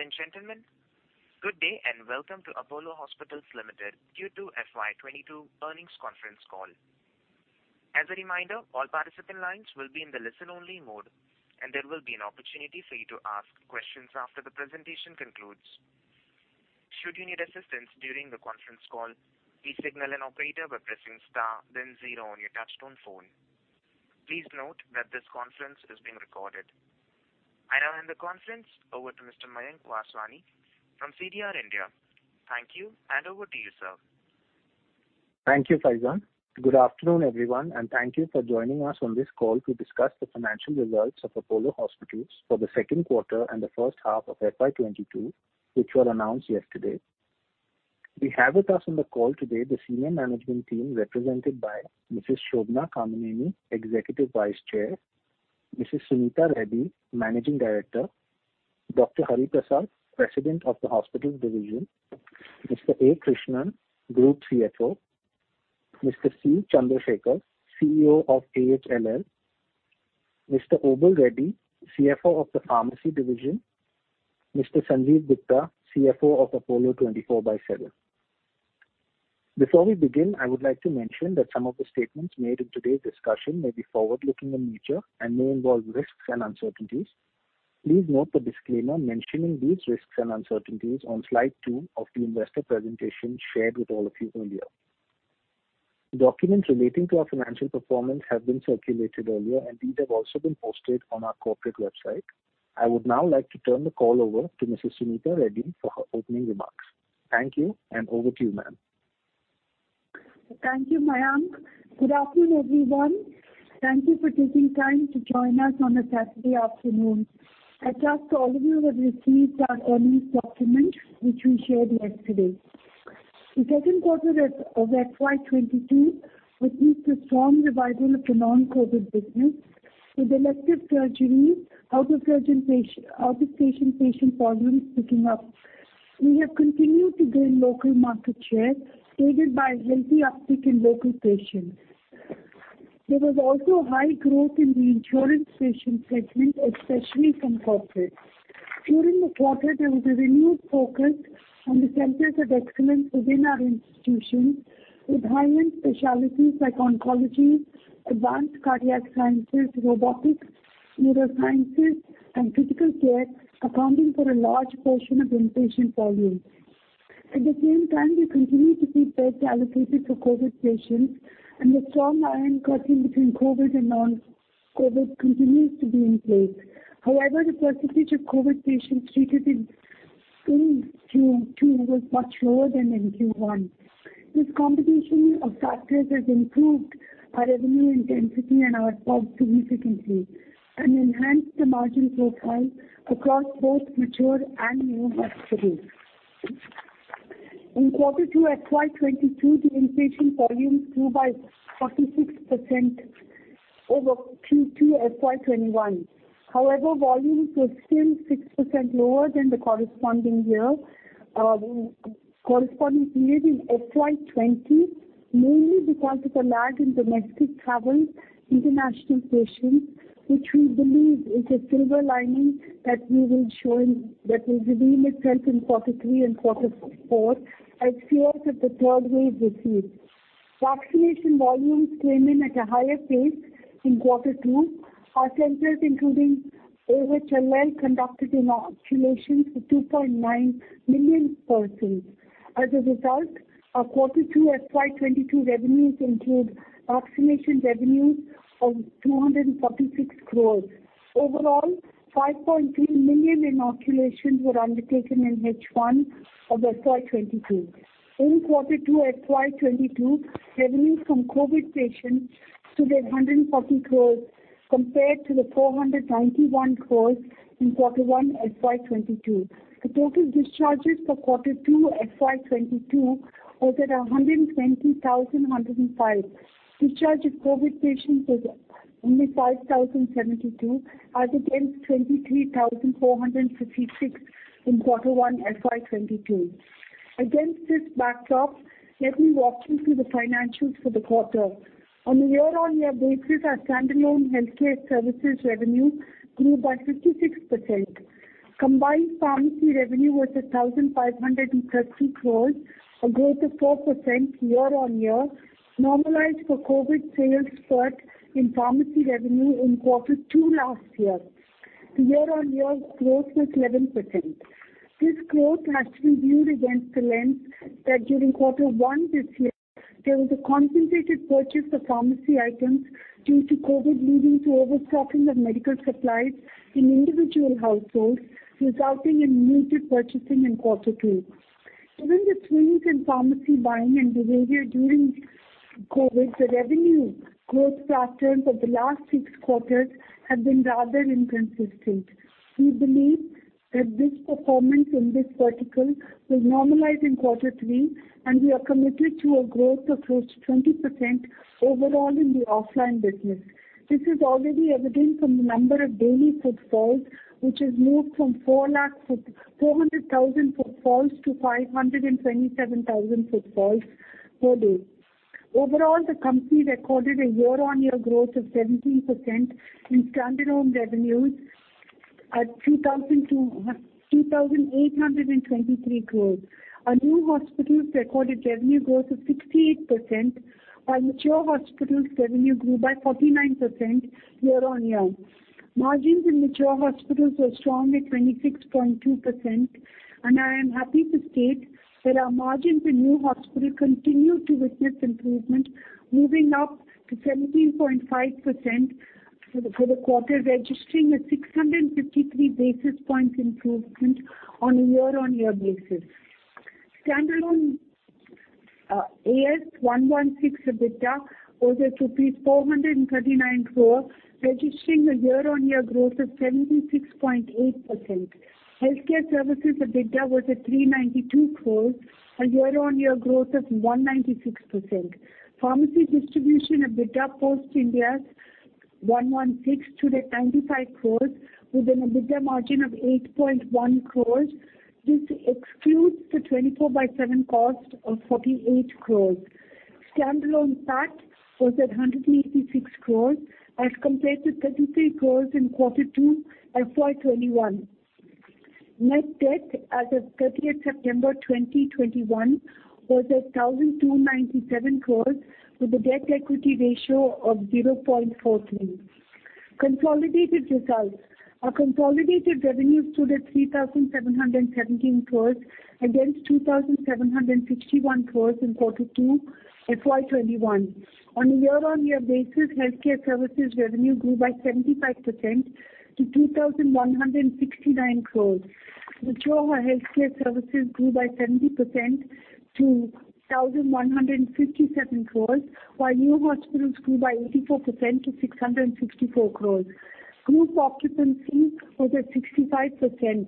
Ladies and gentlemen, good day, and welcome to Apollo Hospitals Enterprise Limited Q2 FY 2022 earnings conference call. As a reminder, all participant lines will be in the listen-only mode, and there will be an opportunity for you to ask questions after the presentation concludes. Should you need assistance during the conference call, please signal an operator by pressing star then zero on your touchtone phone. Please note that this conference is being recorded. I now hand the conference over to Mr. Mayank Vaswani from CDR India. Thank you, and over to you, sir. Thank you, Faizan. Good afternoon, everyone, and thank you for joining us on this call to discuss the financial results of Apollo Hospitals for the second quarter and the first half of FY 2022, which were announced yesterday. We have with us on the call today the senior management team represented by Mrs. Shobana Kamineni, Executive Vice Chair, Mrs. Suneeta Reddy, Managing Director, Dr. Hari Prasad, President of the Hospitals Division, Mr. A. Krishnan, Group CFO, Mr. C. Chandrasekhar, CEO of AHLL, Mr. Obul Reddy, CFO of the Pharmacy Division, Mr. Sanjiv Gupta, CFO of Apollo 24|7. Before we begin, I would like to mention that some of the statements made in today's discussion may be forward-looking in nature and may involve risks and uncertainties. Please note the disclaimer mentioning these risks and uncertainties on slide two of the investor presentation shared with all of you earlier. Documents relating to our financial performance have been circulated earlier, and these have also been posted on our corporate website. I would now like to turn the call over to Mrs. Suneeta Reddy for her opening remarks. Thank you, and over to you, ma'am. Thank you, Mayank. Good afternoon, everyone. Thank you for taking time to join us on a Saturday afternoon. I trust all of you have received our earnings document, which we shared yesterday. The second quarter of FY 2022 witnessed a strong revival of the non-COVID business, with elective surgeries, out-of-station patient volumes picking up. We have continued to gain local market share, aided by a healthy uptick in local patients. There was also high growth in the insurance patient segment, especially from corporate. During the quarter, there was a renewed focus on the centers of excellence within our institutions, with high-end specialties like oncology, advanced cardiac sciences, robotics, neurosciences, and critical care accounting for a large portion of inpatient volumes. At the same time, we continued to keep beds allocated for COVID patients, and the strong iron curtain between COVID and non-COVID continues to be in place. However, the percentage of COVID patients treated in Q2 was much lower than in Q1. This combination of factors has improved our revenue intensity. The year-on-year growth was 11%. This growth has to be viewed against the lens that during quarter one this year, there was a concentrated purchase of pharmacy items due to COVID leading to overstocking of medical supplies in individual households, resulting in muted purchasing in quarter two. Given the swings in pharmacy buying and behavior during COVID, the revenue growth patterns of the last six quarters have been rather inconsistent. We believe that this performance in this vertical will normalize in quarter three, and we are committed to a growth of close to 20% overall in the offline business. This is already evident from the number of daily footfalls, which has moved from 400,000 footfalls to 527,000 footfalls per day. Overall, the company recorded a year-on-year growth of 17% in standalone revenues at 2,823 crore. Our new hospitals recorded revenue growth of 68%. Our mature hospitals revenue grew by 49% year-on-year. Margins in mature hospitals were strong at 26.2%, and I am happy to state that our margins in new hospitals continue to witness improvement, moving up to 17.5% for the quarter, registering a 653 basis points improvement on a year-on-year basis. Standalone Ind AS 116 EBITDA was at 439 crore, registering a year-on-year growth of 76.8%. Healthcare services EBITDA was at 392 crore, a year-on-year growth of 196%. Pharmacy distribution EBITDA post Ind AS 116 stood at INR 95 crore with an EBITDA margin of 8.1%. This excludes the Apollo 24|7 cost of 48 crore. Standalone PAT was at 186 crore as compared to 33 crore in Q2 FY 2021. Net debt as of 30th September 2021 was at 1,297 crore, with a debt equity ratio of 0.43. Consolidated results. Our consolidated revenues stood at 3,717 crore against 2,761 crore in Q2 FY 2021. On a year-on-year basis, healthcare services revenue grew by 75% to 2,169 crore. Mature Healthcare Services grew by 70% to 1,157 crore, while new hospitals grew by 84% to 664 crore. Group occupancy was at 65%.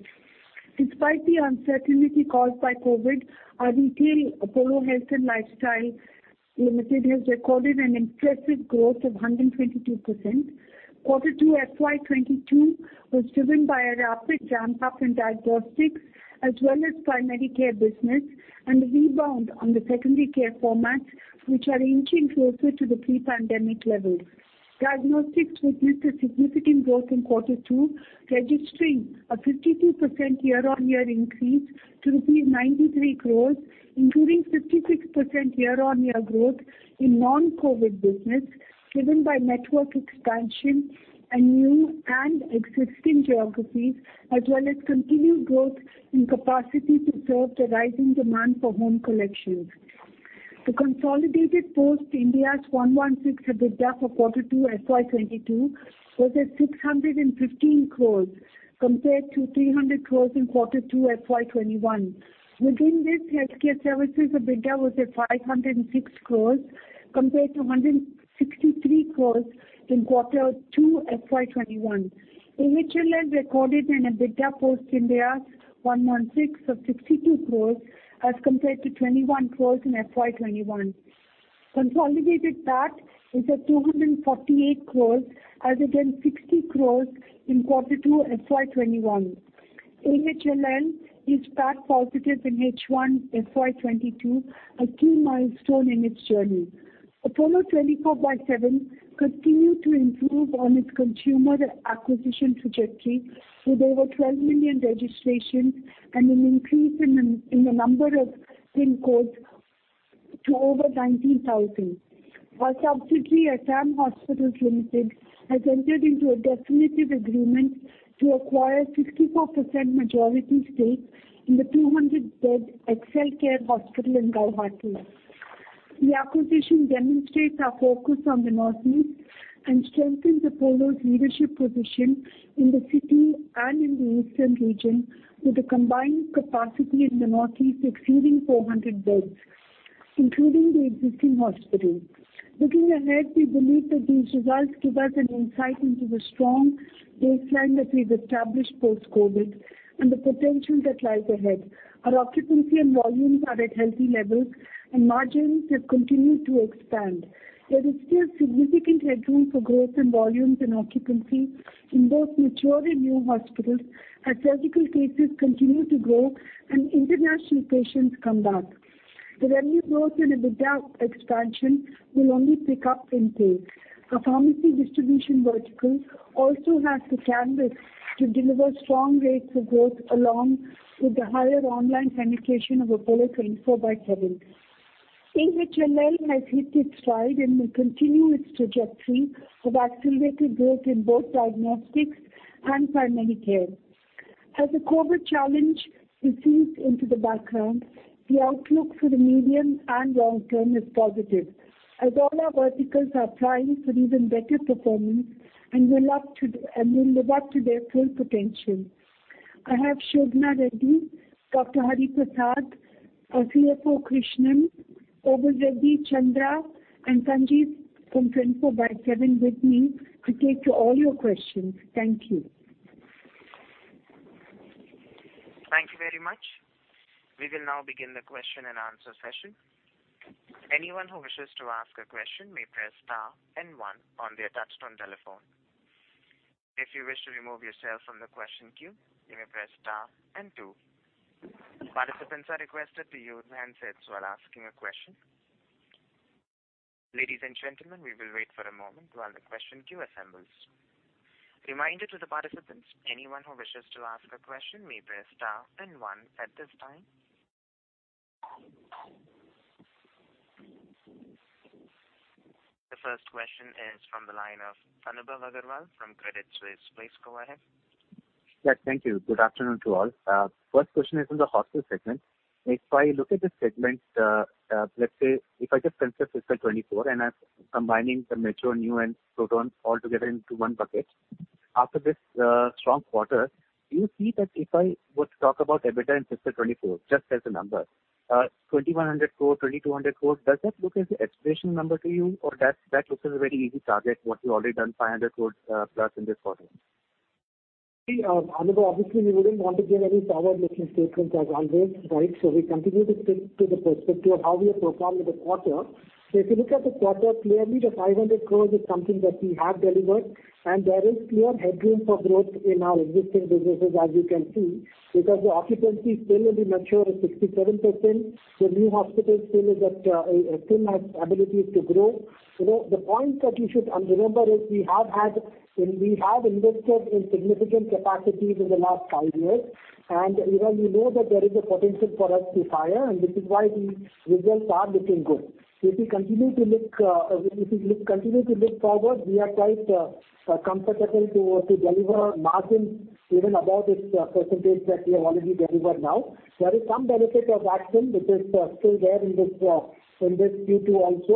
Despite the uncertainty caused by COVID, our retail Apollo Health and Lifestyle Limited has recorded an impressive growth of 122%. Q2 FY 2022 was driven by a rapid ramp-up in diagnostics as well as primary care business and a rebound on the secondary care formats, which are inching closer to the pre-pandemic levels. Diagnostics witnessed a significant growth in Q2, registering a 52% year-on-year increase to rupees 93 crore, including 56% year-on-year growth in non-COVID business, driven by network expansion and new and existing geographies as well as continued growth in capacity to serve the rising demand for home collections. The consolidated post Ind AS 116 EBITDA for Q2 FY 2022 was at 615 crore compared to 300 crore in Q2 FY 2021. Within this, Healthcare Services EBITDA was at 506 crore compared to 163 crore in Q2 FY 2021. AHLL recorded an EBITDA post Ind AS 116 of 62 crore as compared to 21 crore in FY 2021. Consolidated PAT is at 248 crore as against 60 crore in Q2 FY 2021. AHLL is PAT positive in H1 FY 2022, a key milestone in its journey. Apollo 24|7 continued to improve on its consumer acquisition trajectory with over 12 million registrations and an increase in the number of PIN codes to over 19,000. Our subsidiary Assam Hospitals Limited has entered into a definitive agreement to acquire 64% majority stake in the 200-bed Excelcare Hospital in Guwahati. The acquisition demonstrates our focus on the Northeast and strengthens Apollo's leadership position in the city and in the eastern region, with a combined capacity in the Northeast exceeding 400 beds, including the existing hospital. Looking ahead, we believe that these results give us an insight into the strong baseline that we've established post-COVID and the potential that lies ahead. Our occupancy and volumes are at healthy levels, and margins have continued to expand. There is still significant headroom for growth in volumes and occupancy in both mature and new hospitals as surgical cases continue to grow and international patients come back. The revenue growth and EBITDA expansion will only pick up from here. Our pharmacy distribution vertical also has the canvas to deliver strong rates of growth along with the higher online penetration of Apollo 24|7. AHLL has hit its stride and will continue its trajectory of accelerated growth in both diagnostics and primary care. As the COVID challenge recedes into the background, the outlook for the medium and long term is positive, as all our verticals are primed for even better performance and will live up to their full potential. I have Shobana Kamineni, Dr. Hari Prasad, our CFO, A. Krishnan, Obul Reddy, Chandrasekhar, and Sanjiv Gupta from 24|7 with me to take all your questions. Thank you. Thank you very much. We will now begin the question and answer session. Anyone who wishes to ask a question may press star and one on their touch-tone telephone. If you wish to remove yourself from the question queue, you may press star and two. Participants are requested to use handsets while asking a question. Ladies and gentlemen, we will wait for a moment while the question queue assembles. Reminder to the participants, anyone who wishes to ask a question may press star and one at this time. The first question is from the line of Anubhav Aggarwal from Credit Suisse. Please go ahead. Yeah. Thank you. Good afternoon to all. First question is on the hospital segment. If I look at the segment, let's say if I just filter FY 2024, and I'm combining the Metro, New, and Proton all together into one bucket. After this strong quarter, do you see that if I were to talk about EBITDA in FY 2024, just as a number, 2,100 crore, 2,200 crore, does that look as an aspirational number to you, or that looks as a very easy target, what you've already done, 500+ crore in this quarter? See, Anubhav, obviously we wouldn't want to give any forward-looking statements as always, right? We continue to stick to the perspective of how we have performed in the quarter. If you look at the quarter, clearly the 500 crore is something that we have delivered, and there is clear headroom for growth in our existing businesses, as you can see, because the occupancy still in the metro is 67%. The new hospital still has abilities to grow. You know, the point that you should remember is we have invested in significant capacities in the last five years. You know, we know that there is a potential for us to fire, and this is why the results are looking good. If we continue to look forward, we are quite comfortable to deliver margins even above this percentage that we have already delivered now. There is some benefit of vaccine which is still there in this Q2 also.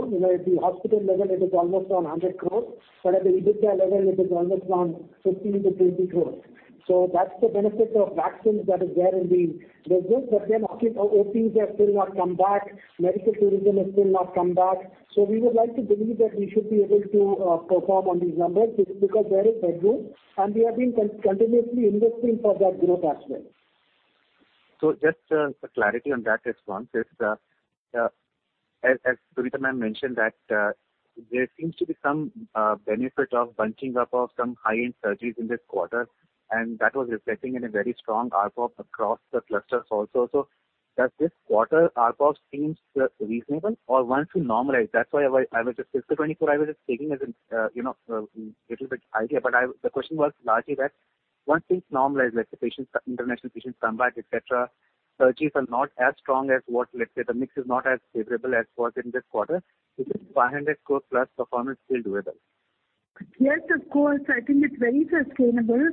You know, at the hospital level it is almost around 100 crore, but at the EBITDA level it is almost around 15 crore-20 crore. That's the benefit of vaccines that is there in the results. Then OPs have still not come back, medical tourism has still not come back. We would like to believe that we should be able to perform on these numbers just because there is headroom, and we have been continuously investing for that growth as well. Just for clarity on that response, as Suneeta, ma'am mentioned that there seems to be some benefit of bunching up of some high-end surgeries in this quarter, and that was reflecting in a very strong ARPOB across the clusters also. Does this quarter ARPOB seems reasonable or once we normalize? That's why I was just taking FY 2024 as a little bit idea. The question was largely that once things normalize, like the patients, international patients come back, et cetera, surgeries are not as strong as what, let's say the mix is not as favorable as was in this quarter. Is this 500+ crore performance still doable? Yes, of course. I think it's very sustainable.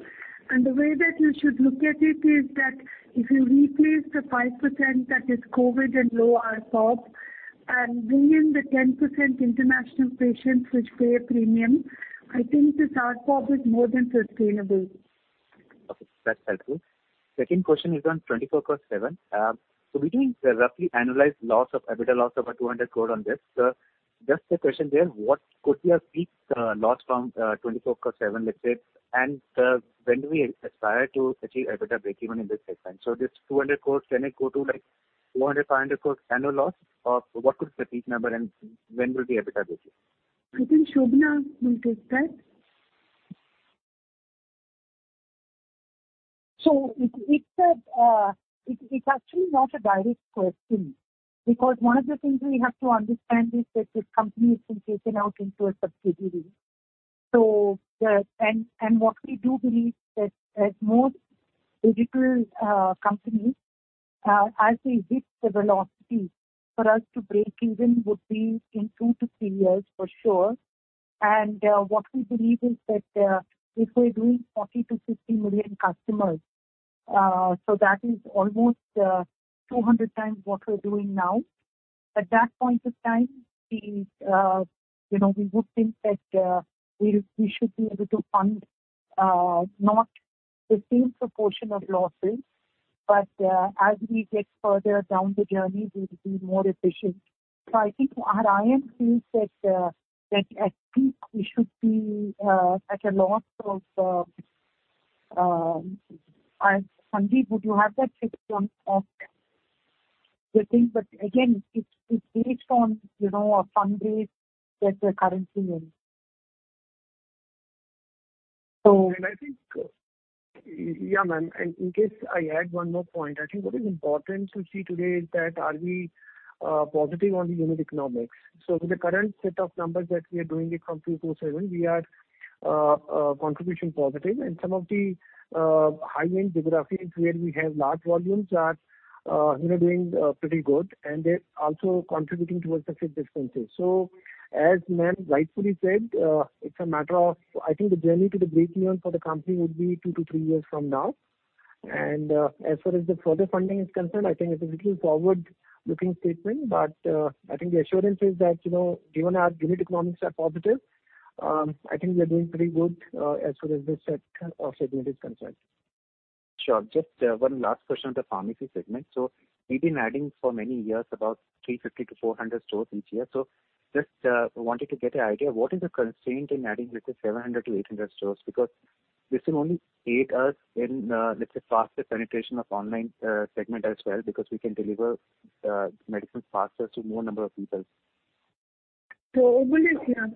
The way that you should look at it is that if you replace the 5% that is COVID and low ARPOB and bring in the 10% international patients which pay a premium, I think this ARPOB is more than sustainable. Okay. That's helpful. Second question is on Apollo 24|7. We did a rough analysis of EBITDA loss of 200 crore on this. Just a question there, what could be a peak loss from Apollo 24|7, let's say? And when do we aspire to achieve EBITDA breakeven in this segment? This 200 crore, can it go to, like, 400 crore, 500 crore annual loss? Or what could be the peak number, and when will the EBITDA break even? I think Shobana will take that. It's actually not a direct question, because one of the things we have to understand is that this company has been taken out into a subsidiary. What we do believe that as most digital companies, as we hit the velocity, for us to break even would be in two to three years for sure. What we believe is that if we're doing 40-50 million customers, so that is almost 200 times what we're doing now. At that point of time, you know, we would think that we should be able to fund not the same proportion of losses. As we get further down the journey, we'll be more efficient. I think our IM feels that at peak we should be at a loss of. Sanjiv, would you have that figure off the top? But again, it's based on, you know, a fundraise that we're currently in. I think yeah, ma'am. In case I add one more point, I think what is important to see today is that are we positive on the unit economics. With the current set of numbers that we are doing it from 24/7, we are contribution positive. Some of the high-end geographies where we have large volumes are you know doing pretty good, and they're also contributing towards the fixed expenses. As ma'am rightfully said, it's a matter of I think the journey to the breakeven for the company would be two to three years from now. As far as the further funding is concerned, I think it's a little forward-looking statement. I think the assurance is that, you know, given our unit economics are positive, I think we are doing pretty good, as far as this set of segment is concerned. Sure. Just one last question on the pharmacy segment. We've been adding for many years about 350-400 stores each year. Just wanted to get an idea, what is the constraint in adding, let's say, 700-800 stores? Because this will only aid us in, let's say, faster penetration of online segment as well, because we can deliver medicine faster to more number of people. Actually, overall,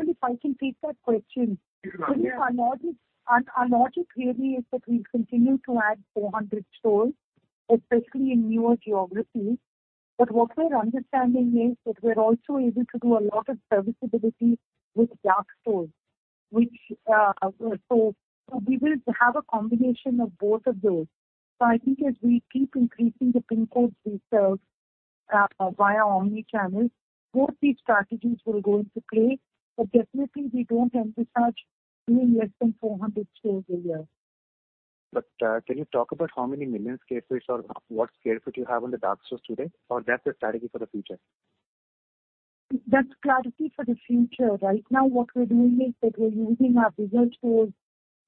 if I can take that question. Our logic really is that we continue to add 400 stores, especially in newer geographies. What we're understanding is that we're also able to do a lot of serviceability with dark stores, which we will have a combination of both of those. I think as we keep increasing the PIN codes we serve via omni-channel, both these strategies will go into play. Definitely we don't emphasize doing less than 400 stores a year. Can you talk about how many million square feet or what square feet you have on the dark stores today? That's a strategy for the future. That's clarity for the future. Right now, what we're doing is that we're using our bigger stores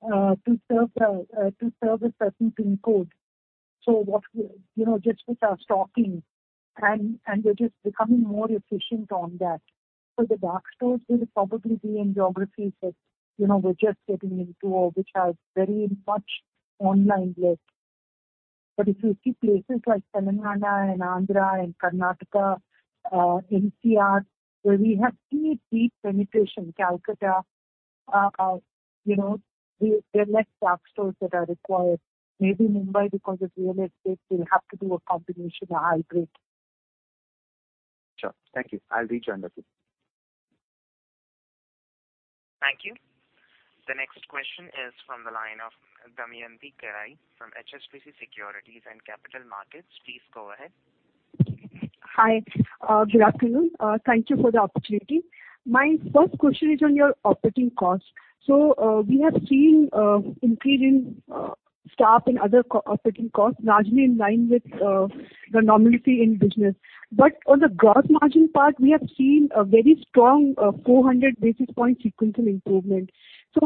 to serve a certain PIN code. What we're, you know, just with our stocking, and we're just becoming more efficient on that. The dark stores will probably be in geographies that, you know, we're just getting into or which have very much online lift. If you see places like Telangana and Andhra and Karnataka, NCR, where we have pretty deep penetration, Calcutta, you know, we have less dark stores that are required. Maybe Mumbai, because of real estate, we'll have to do a combination or a hybrid. Sure. Thank you. I'll reach out. Thank you. The next question is from the line of Damayanti Kerai from HSBC Securities and Capital Markets. Please go ahead. Hi. Good afternoon. Thank you for the opportunity. My first question is on your operating costs. We have seen an increase in staff and other operating costs, largely in line with the normality in business. On the gross margin part, we have seen a very strong 400 basis point sequential improvement.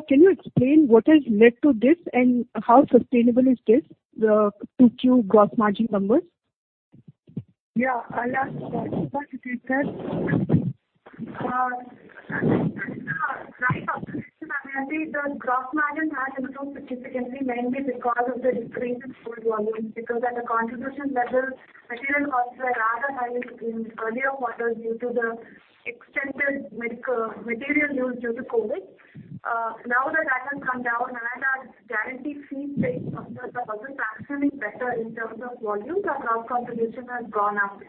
Can you explain what has led to this, and how sustainable is this, the Q2 gross margin numbers? Yeah. I'll ask Shobana to take that. That's a right observation, Damayanti. The gross margin has improved significantly, mainly because of the increase in food volumes, because at a contribution level, material costs were rather high in earlier quarters due to the extended material use due to COVID. Now that has come down and our guarantee fee base from the partners are actually better in terms of volumes, our gross contribution has gone up.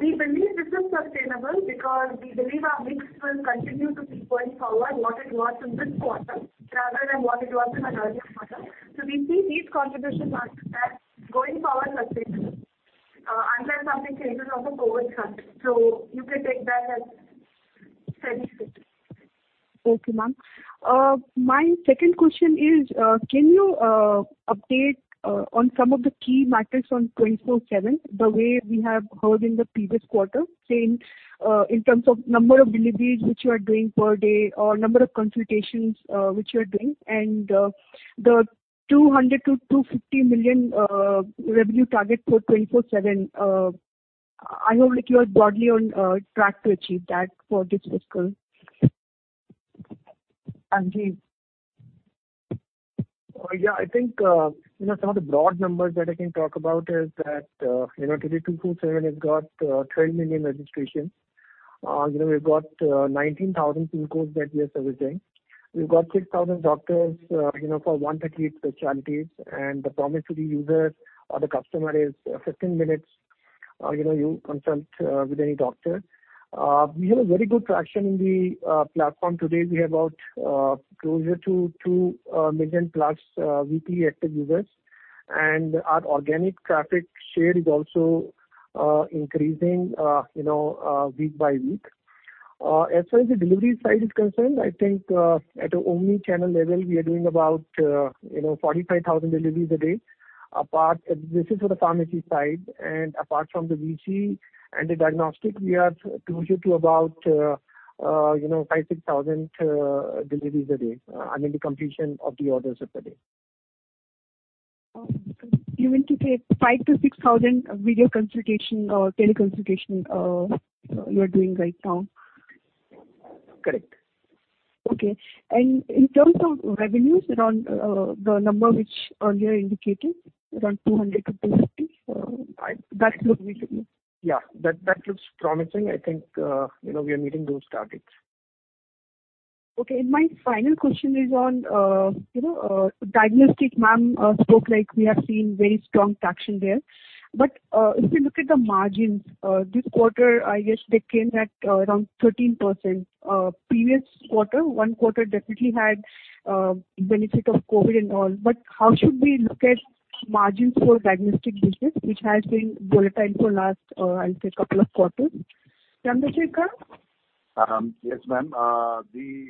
We believe this is sustainable because we believe our mix will continue to keep going forward what it was in this quarter, rather than what it was in an earlier quarter. We see these contribution margins as going forward sustainable, unless something changes on the COVID front. You can take that as fairly stable. Okay, ma'am. My second question is, can you update on some of the key metrics on 24/7, the way we have heard in the previous quarter, say in terms of number of deliveries which you are doing per day or number of consultations, which you are doing. The 200 million-250 million revenue target for 24/7, I hope like you are broadly on track to achieve that for this fiscal. Sanjiv. Yeah. I think, you know, some of the broad numbers that I can talk about is that, you know, today 24/7 has got, 10 million registrations. You know, we've got, 19,000 PIN codes that we are servicing. We've got 6,000 doctors, you know, for 130 specialties. The promise to the users or the customer is 15 minutes, you know, you consult, with any doctor. We have a very good traction in the platform. Today, we have about, closer to 2+ million, weekly active users. Our organic traffic share is also, increasing, you know, week by week. As far as the delivery side is concerned, I think, at an omnichannel level, we are doing about, you know, 45,000 deliveries a day. Apart... This is for the pharmacy side. Apart from the VC and the diagnostic, we are closer to about, you know, five to six thousand deliveries a day. I mean, the completion of the orders of the day. You mean to say five to six thousand video consultations or teleconsultations you are doing right now? Correct. Okay. In terms of revenues around the number which earlier indicated, around 200-250, that looks reasonable? Yeah. That looks promising. I think, you know, we are meeting those targets. Okay. My final question is on, you know, diagnostics. Ma'am, so like we have seen very strong traction there. If you look at the margins, this quarter, I guess they came at around 13%. Previous quarter, one quarter definitely had benefit of COVID and all. How should we look at margins for diagnostic business, which has been volatile for last, I'll say couple of quarters? Chandra Sekhar. Yes, ma'am. The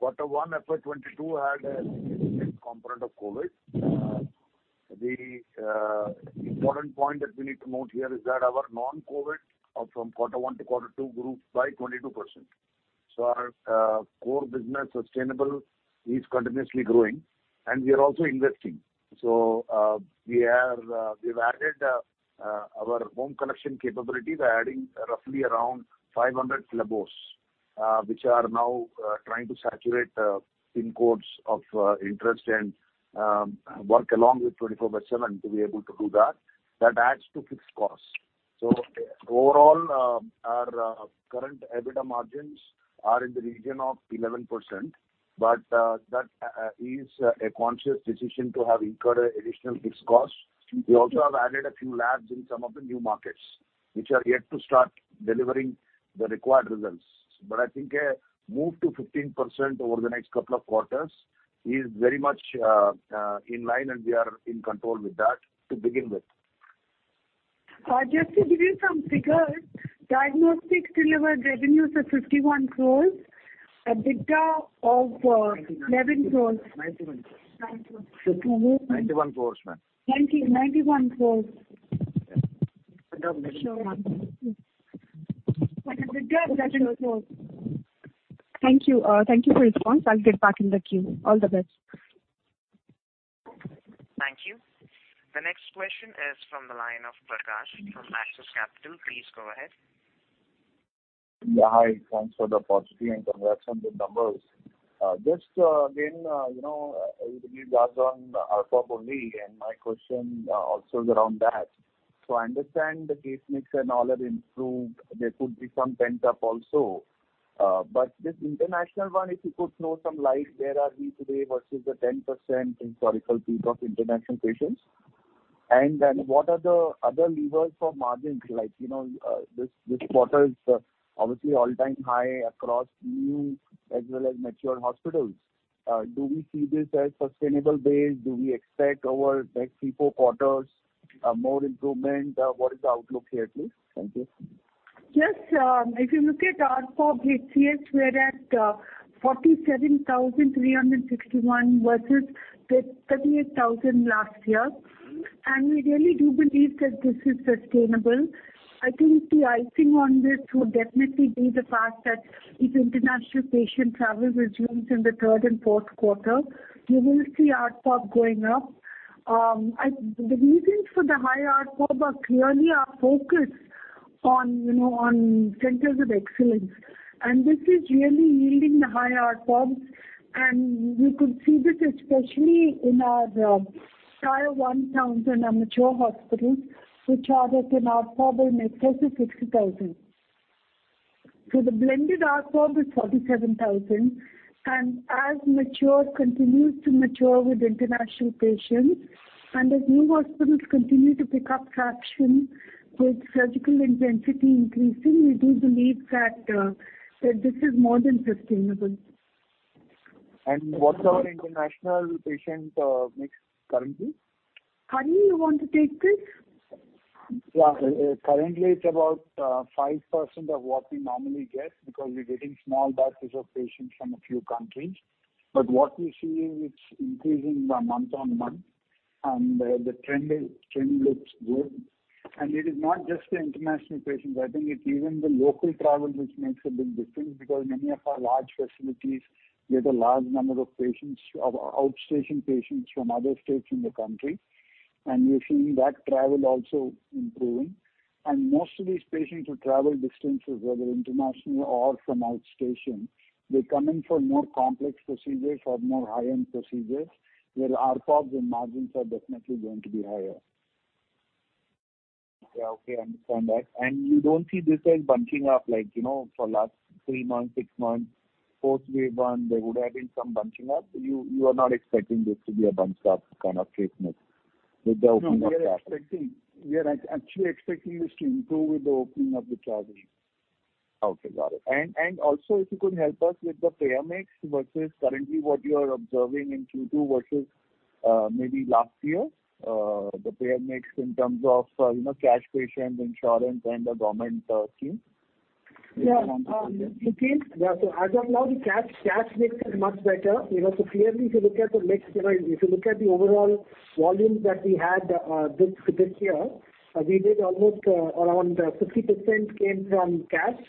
Q1 FY 2022 had a significant component of COVID. The important point that we need to note here is that our non-COVID from Q1 to Q2 grew by 22%. Our core business sustainable is continuously growing, and we are also investing. We've added our home collection capabilities are adding roughly around 500 labs. Which are now trying to saturate PIN codes of interest and work along with 24/7 to be able to do that. That adds to fixed costs. Overall, our current EBITDA margins are in the region of 11%, but that is a conscious decision to have incurred additional fixed costs. We also have added a few labs in some of the new markets which are yet to start delivering the required results. I think a move to 15% over the next couple of quarters is very much in line, and we are in control with that to begin with. Just to give you some figures, diagnostics delivered revenues of 51 crore, EBITDA of 91. 11 crore. 91 crore. 91 crores, ma'am. 91 crore. Yes. Thank you. Thank you for response. I'll get back in the queue. All the best. Thank you. The next question is from the line of Prakash from Axis Capital. Please go ahead. Yeah, hi. Thanks for the opportunity, and congrats on the numbers. Just again, you know, we believe last on ARPOB only, and my question also is around that. I understand the case mix and all have improved. There could be some pent-up also. This international one, if you could throw some light, where are we today versus the 10% historical peak of international patients? And then what are the other levers for margins? Like, you know, this quarter is obviously all-time high across new as well as mature hospitals. Do we see this as sustainable base? Do we expect over next three to four quarters more improvement? What is the outlook here at least? Thank you. Yes. If you look at ARPOB HCS, we're at 47,361 versus 38,000 last year. Mm-hmm. We really do believe that this is sustainable. I think the icing on this would definitely be the fact that if international patient travel resumes in the third and fourth quarter, you will see ARPOB going up. The reasons for the high ARPOB are clearly our focus on, you know, on centers of excellence, and this is really yielding the high ARPOBs. You could see this especially in our tier-one towns and our mature hospitals, which are at an ARPOB of 80,000-60,000. The blended ARPOB is 47,000. As mature continues to mature with international patients, and as new hospitals continue to pick up traction with surgical intensity increasing, we do believe that this is more than sustainable. What's our international patient mix currently? Hari, you want to take this? Yeah. Currently it's about 5% of what we normally get because we're getting small batches of patients from a few countries. What we see is it's increasing month-on-month, and the trend looks good. It is not just the international patients. I think it's even the local travel which makes a big difference because many of our large facilities get a large number of outstation patients from other states in the country, and we're seeing that travel also improving. Most of these patients who travel distances, whether international or from outstation, they come in for more complex procedures or more high-end procedures, where ARPOB and margins are definitely going to be higher. Yeah. Okay, I understand that. You don't see this as bunching up like, you know, for last three months, six months, post wave one, there would have been some bunching up. You are not expecting this to be a bunched up kind of case mix with the opening of travel. No, we are actually expecting this to improve with the opening of the travel. Okay, got it. Also if you could help us with the payer mix versus currently what you are observing in Q2 versus maybe last year. The payer mix in terms of you know cash patient, insurance and the government scheme. Yeah. A. Krishnan. Yeah. As of now, the cash mix is much better. You know, clearly if you look at the mix, you know, if you look at the overall volume that we had this year, we made almost around 50% came from cash.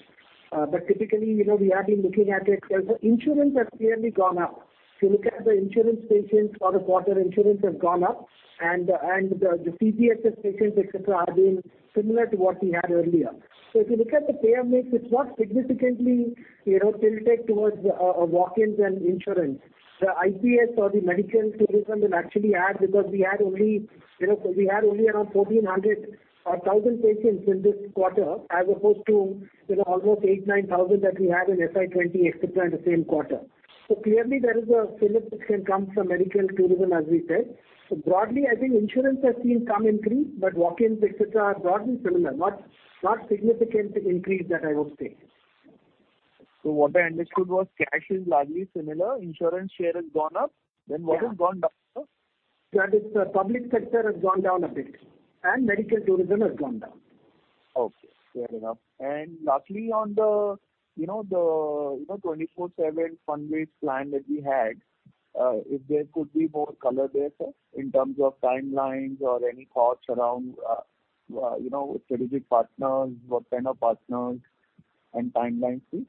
Typically, you know, we have been looking at it as insurance has clearly gone up. If you look at the insurance patients for the quarter, insurance has gone up, and the CGHS patients, et cetera, have been similar to what we had earlier. If you look at the payer mix, it's not significantly, you know, tilted towards walk-ins and insurance. The IP or the medical tourism is actually high because we had only, you know, around 1,400 or 1,000 patients in this quarter, as opposed to, you know, almost 8,000-9,000 that we had in FY 2020, etc., in the same quarter. Clearly there is a fillip which can come from medical tourism, as we said. Broadly, I think insurance has seen some increase, but walk-ins, etc., are broadly similar. Not significant increase that I would say. What I understood was cash is largely similar, insurance share has gone up. Yeah. What has gone down? That is the public sector has gone down a bit, and medical tourism has gone down. Okay, fair enough. Lastly, on the you know 24/7 fund-based plan that we had, if there could be more color there, sir, in terms of timelines or any thoughts around you know strategic partners, what kind of partners and timelines, please?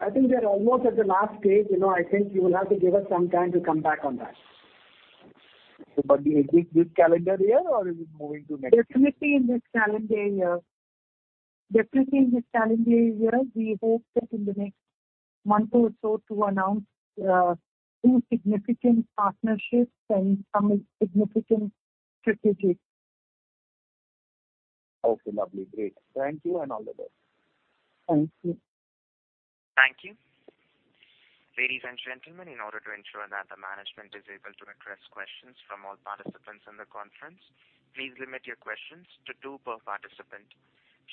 I think we are almost at the last stage. You know, I think you will have to give us some time to come back on that. Is it this calendar year or is it moving to next year? Definitely in this calendar year. We hope that in the next month or so to announce two significant partnerships and some significant strategic- Okay, lovely. Great. Thank you and all the best. Thank you. Thank you. Ladies and gentlemen, in order to ensure that the management is able to address questions from all participants on the conference, please limit your questions to two per participant.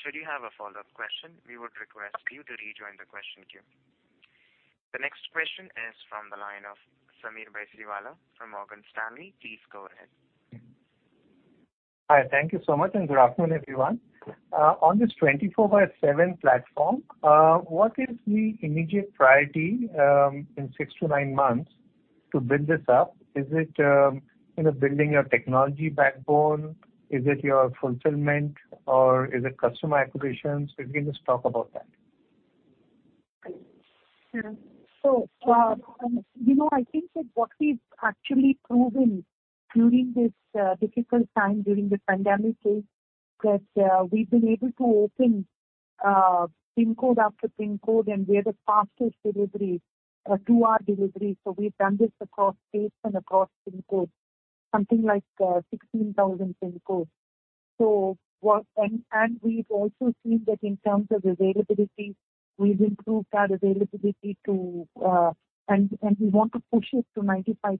Should you have a follow-up question, we would request you to rejoin the question queue. The next question is from the line of Sameer Baisiwala from Morgan Stanley. Please go ahead. Hi. Thank you so much, and good afternoon, everyone. On this 24/7 platform, what is the immediate priority in six to nine months to build this up? Is it, you know, building your technology backbone? Is it your fulfillment or is it customer acquisitions? If you can just talk about that. Sure. You know, I think that what we've actually proven during this difficult time during the pandemic is that we've been able to open PIN code after PIN code, and we're the fastest delivery two-hour delivery. We've done this across states and across PIN codes, something like 16,000 PIN codes. We've also seen that in terms of availability, we've improved our availability. We want to push it to 95%,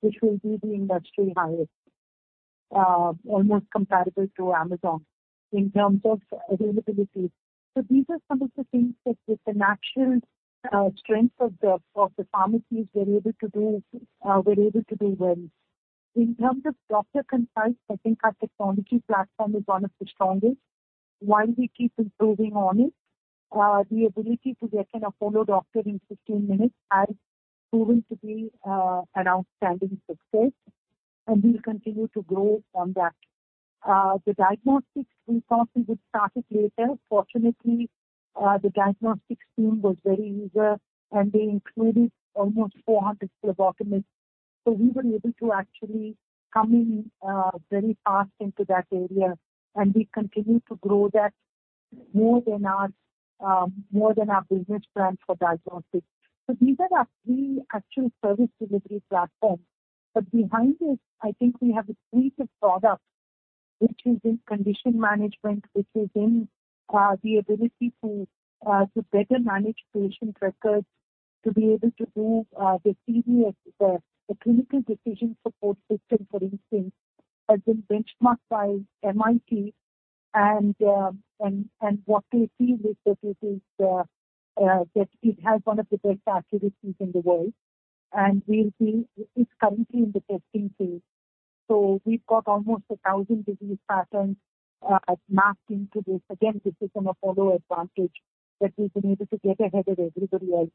which will be the industry highest, almost comparable to Amazon in terms of availability. These are some of the things that with the natural strength of the pharmacies we're able to do, we're able to do well. In terms of doctor consults, I think our technology platform is one of the strongest. While we keep improving on it, the ability to get an Apollo doctor in 15 minutes has proven to be an outstanding success, and we'll continue to grow on that. The diagnostics we thought we would start later. Fortunately, the diagnostics team was very eager, and they included almost 400 phlebotomists. We were able to actually come in very fast into that area, and we continue to grow that more than our business plan for diagnostics. These are our three actual service delivery platforms. Behind this, I think we have a suite of products which is in condition management, which is in the ability to better manage patient records, to be able to move the CDS, the clinical decision support system, for instance, has been benchmarked by MIT. What we see with that is that it has one of the best accuracies in the world, it's currently in the testing phase. We've got almost 1,000 disease patterns mapped into this. Again, this is an Apollo advantage that we've been able to get ahead of everybody else.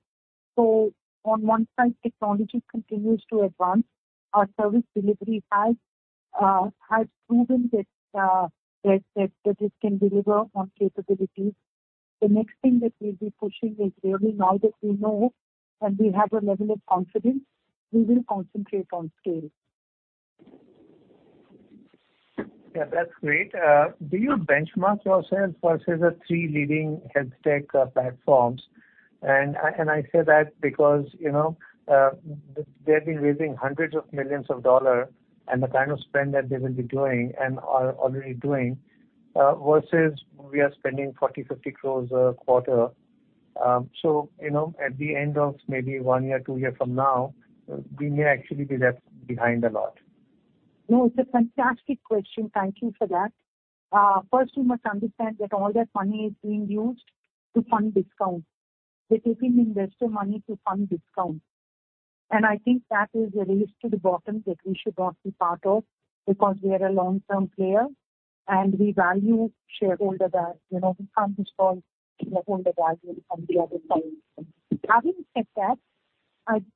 On one side, technology continues to advance. Our service delivery has proven that it can deliver on capabilities. The next thing that we'll be pushing is really now that we know and we have a level of confidence, we will concentrate on scaling. Yeah, that's great. Do you benchmark yourselves versus the three leading health tech platforms? I say that because, you know, they've been raising hundreds of millions of dollars and the kind of spend that they will be doing and are already doing versus we are spending 40-50 crore a quarter. You know, at the end of maybe one year, two years from now, we may actually be left behind a lot. No, it's a fantastic question. Thank you for that. First you must understand that all that money is being used to fund discounts. They're taking investor money to fund discounts. I think that is a race to the bottom that we should not be part of because we are a long-term player, and we value shareholder value. You know, we can't respond shareholder value from the other side. Having said that,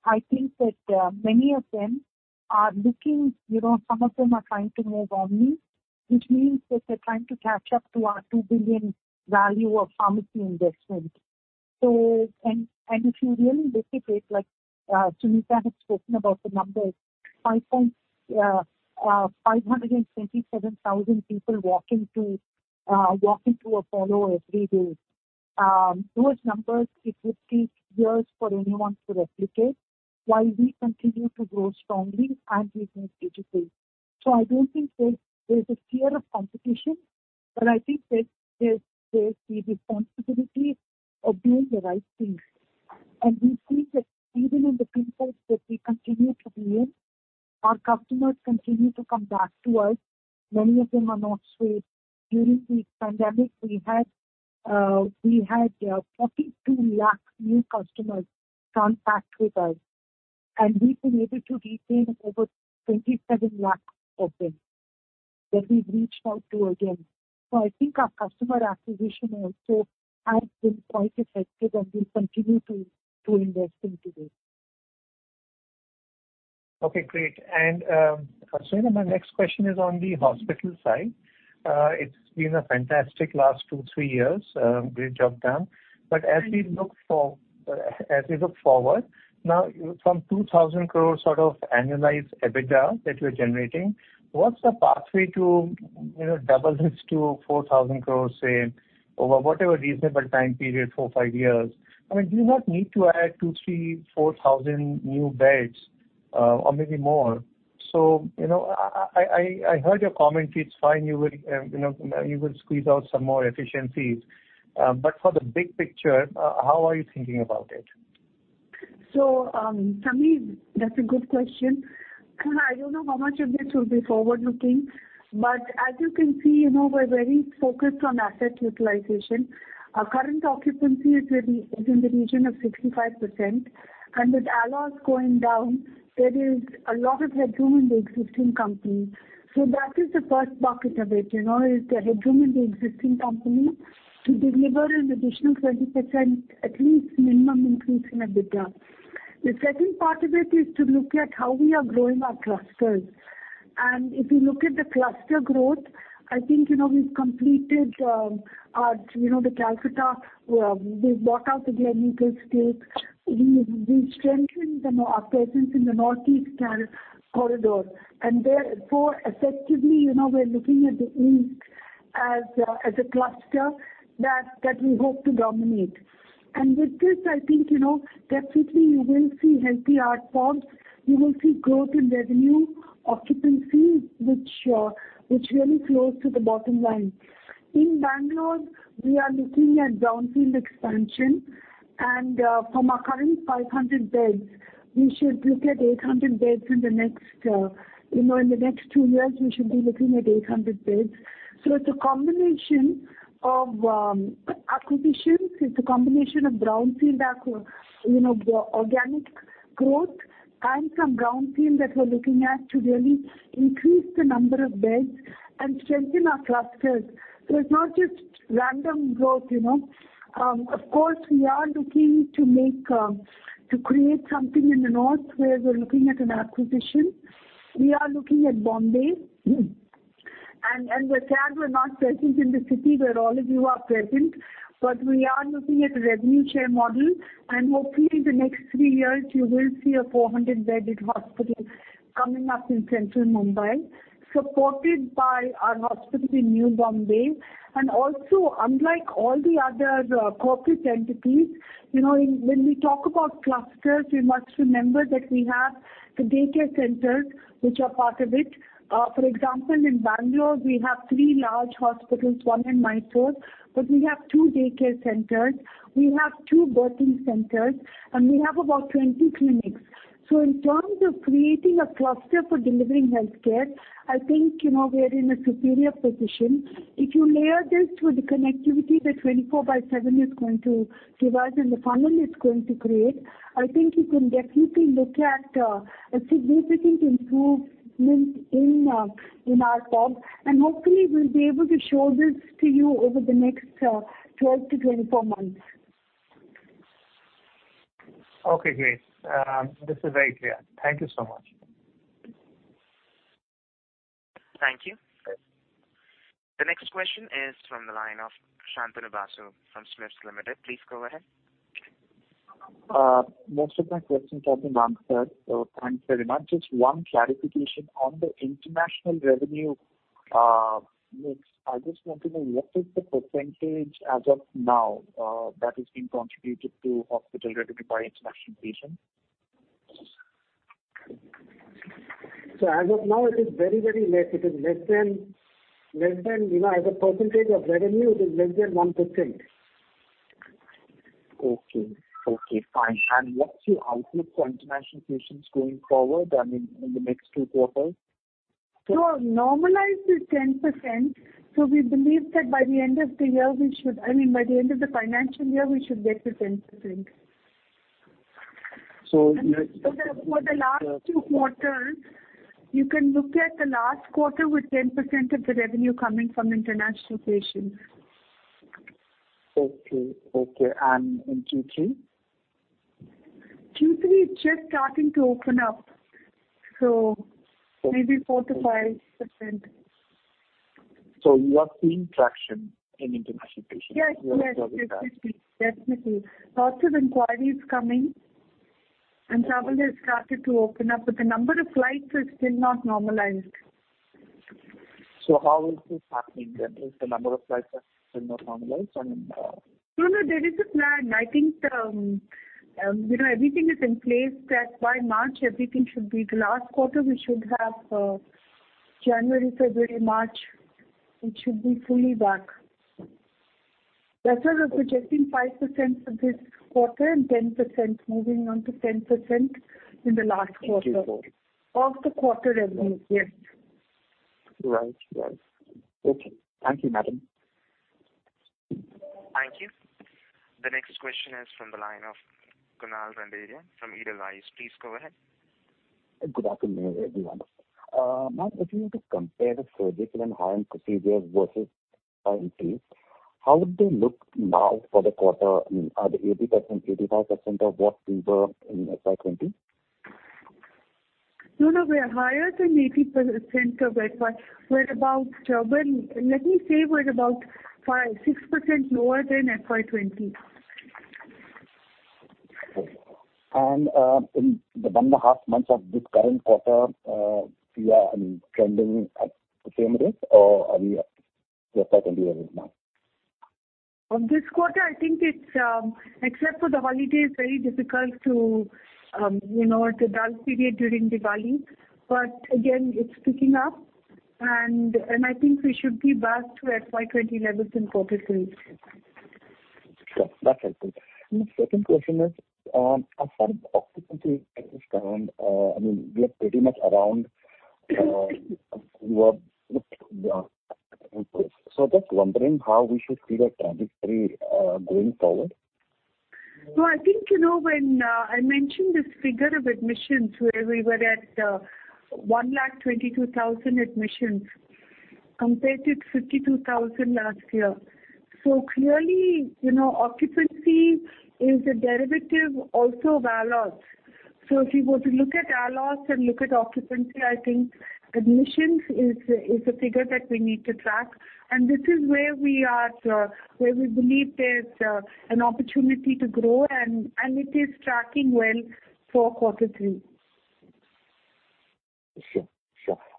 I think that many of them are looking, you know, some of them are trying to move on me, which means that they're trying to catch up to our 2 billion value of pharmacy investment. If you really look at it, like, Suneeta had spoken about the numbers, 527,000 people walk into Apollo every day. Those numbers it would take years for anyone to replicate while we continue to grow strongly and we move digitally. I don't think there's a fear of competition, but I think that there's the responsibility of doing the right things. We see that even in the pin codes that we continue to be in, our customers continue to come back to us. Many of them are not swayed. During the pandemic we had 42 lakh new customers contact with us, and we've been able to retain over 27 lakh of them that we've reached out to again. I think our customer acquisition also has been quite effective, and we'll continue to invest into this. Okay, great, and my next question is on the hospital side. It's been a fantastic last two to three years. Great job done. Thank you. As we look forward, now from 2,000 crore sort of annualized EBITDA that you're generating, what's the pathway to, you know, double this to 4,000 crore, say, over whatever reasonable time period, four or five years. I mean, do you not need to add 2,000, 3,000, 4,000 new beds, or maybe more? You know, I heard your comment. It's fine. You will, you know, you will squeeze out some more efficiencies. For the big picture, how are you thinking about it? Sameer Baisiwala, that's a good question. I don't know how much of this will be forward-looking, but as you can see, you know, we're very focused on asset utilization. Our current occupancy is in the region of 55%. With ALOS going down, there is a lot of headroom in the existing company. That is the first bucket of it, you know, is the headroom in the existing company to deliver an additional 20%, at least minimum increase in EBITDA. The second part of it is to look at how we are growing our clusters. If you look at the cluster growth, I think, you know, we've completed our, you know, the Calcutta, we've bought out the Gleneagles stake. We strengthened our presence in the Northeast corridor, and therefore effectively, we're looking at the east as a cluster that we hope to dominate. With this, I think definitely you will see healthy ARPOBs. You will see growth in revenue, occupancies which really flows to the bottom line. In Bangalore, we are looking at brownfield expansion. From our current 500 beds, we should look at 800 beds in the next two years, we should be looking at 800 beds. It's a combination of acquisitions. It's a combination of brownfield, organic growth and some brownfield that we're looking at to really increase the number of beds and strengthen our clusters. It's not just random growth. Of course, we are looking to make, to create something in the north where we're looking at an acquisition. We are looking at Mumbai. We're sad we're not present in the city where all of you are present. We are looking at a revenue share model. Hopefully in the next three years you will see a 400-bedded hospital coming up in central Mumbai, supported by our hospital in Navi Mumbai. Also, unlike all the other corporate entities, you know, when we talk about clusters, we must remember that we have the daycare centers which are part of it. For example, in Bangalore, we have three large hospitals, one in Mysore, but we have two daycare centers, we have two birthing centers, and we have about 20 clinics. In terms of creating a cluster for delivering healthcare, I think, you know, we are in a superior position. If you layer this with the connectivity that 24/7 is going to give us and the funnel it's going to create, I think you can definitely look at a significant improvement in ARPOB. Hopefully we'll be able to show this to you over the next 12-24 months. Okay, great. This is very clear. Thank you so much. Thank you. The next question is from the line of Shantanu Basu from SMIFS Limited. Please go ahead. Most of my questions have been answered, so thanks very much. Just one clarification on the international revenue mix. I just want to know what is the percentage as of now that is being contributed to hospital revenue by international patients? As of now it is very, very less. It is less than, you know, as a percentage of revenue, it is less than 1%. Okay, fine. What's your outlook for international patients going forward, I mean, in the next two quarters? Normalized is 10%. We believe that by the end of the year, I mean, by the end of the financial year, we should get to 10%. So next- For the last two quarters, you can look at the last quarter with 10% of the revenue coming from international patients. Okay. In Q3? Q3 just starting to open up. Maybe 4%-5%. You are seeing traction in international patients? Yes. Definitely. Lots of inquiries coming, and travel has started to open up, but the number of flights is still not normalized. How is this happening then if the number of flights are still not normalized and, No, no, there is a plan. I think, you know, everything is in place that by March everything should be. The last quarter we should have January, February, March, it should be fully back. That's why we're suggesting 5% for this quarter and 10% moving on to 10% in the last quarter. In Q4. Of the quarter revenue. Yes. Right. Okay. Thank you, madam. Thank you. The next question is from the line of Kunal Randeria from Edelweiss. Please go ahead. Good afternoon, everyone. Ma'am, if you were to compare the surgical and hiring procedures versus FY 2020, how would they look now for the quarter? Are they 80%, 85% of what we were in FY 2020? No, no. We are higher than 80% of FY 2020. We're about. Let me say we're about 5%-6% lower than FY 2020. In the one and a half months of this current quarter, we are, I mean, trending at the same rate or are we at just like earlier this month? On this quarter, I think it's, except for the holidays, very difficult to, you know, it's a dull period during Diwali. Again, it's picking up and I think we should be back to FY 2020 levels in Q3. Sure. That's helpful. The second question is, as far as occupancy is concerned, I mean, we are pretty much around your input. Just wondering how we should see that trajectory going forward. No, I think you know when I mentioned this figure of admissions where we were at 1,22,000 admissions compared to 52,000 last year. So clearly, you know, occupancy is a derivative also of ALOS. So if you were to look at ALOS and look at occupancy, I think admissions is a figure that we need to track. This is where we are, where we believe there's an opportunity to grow and it is tracking well for quarter three. Sure.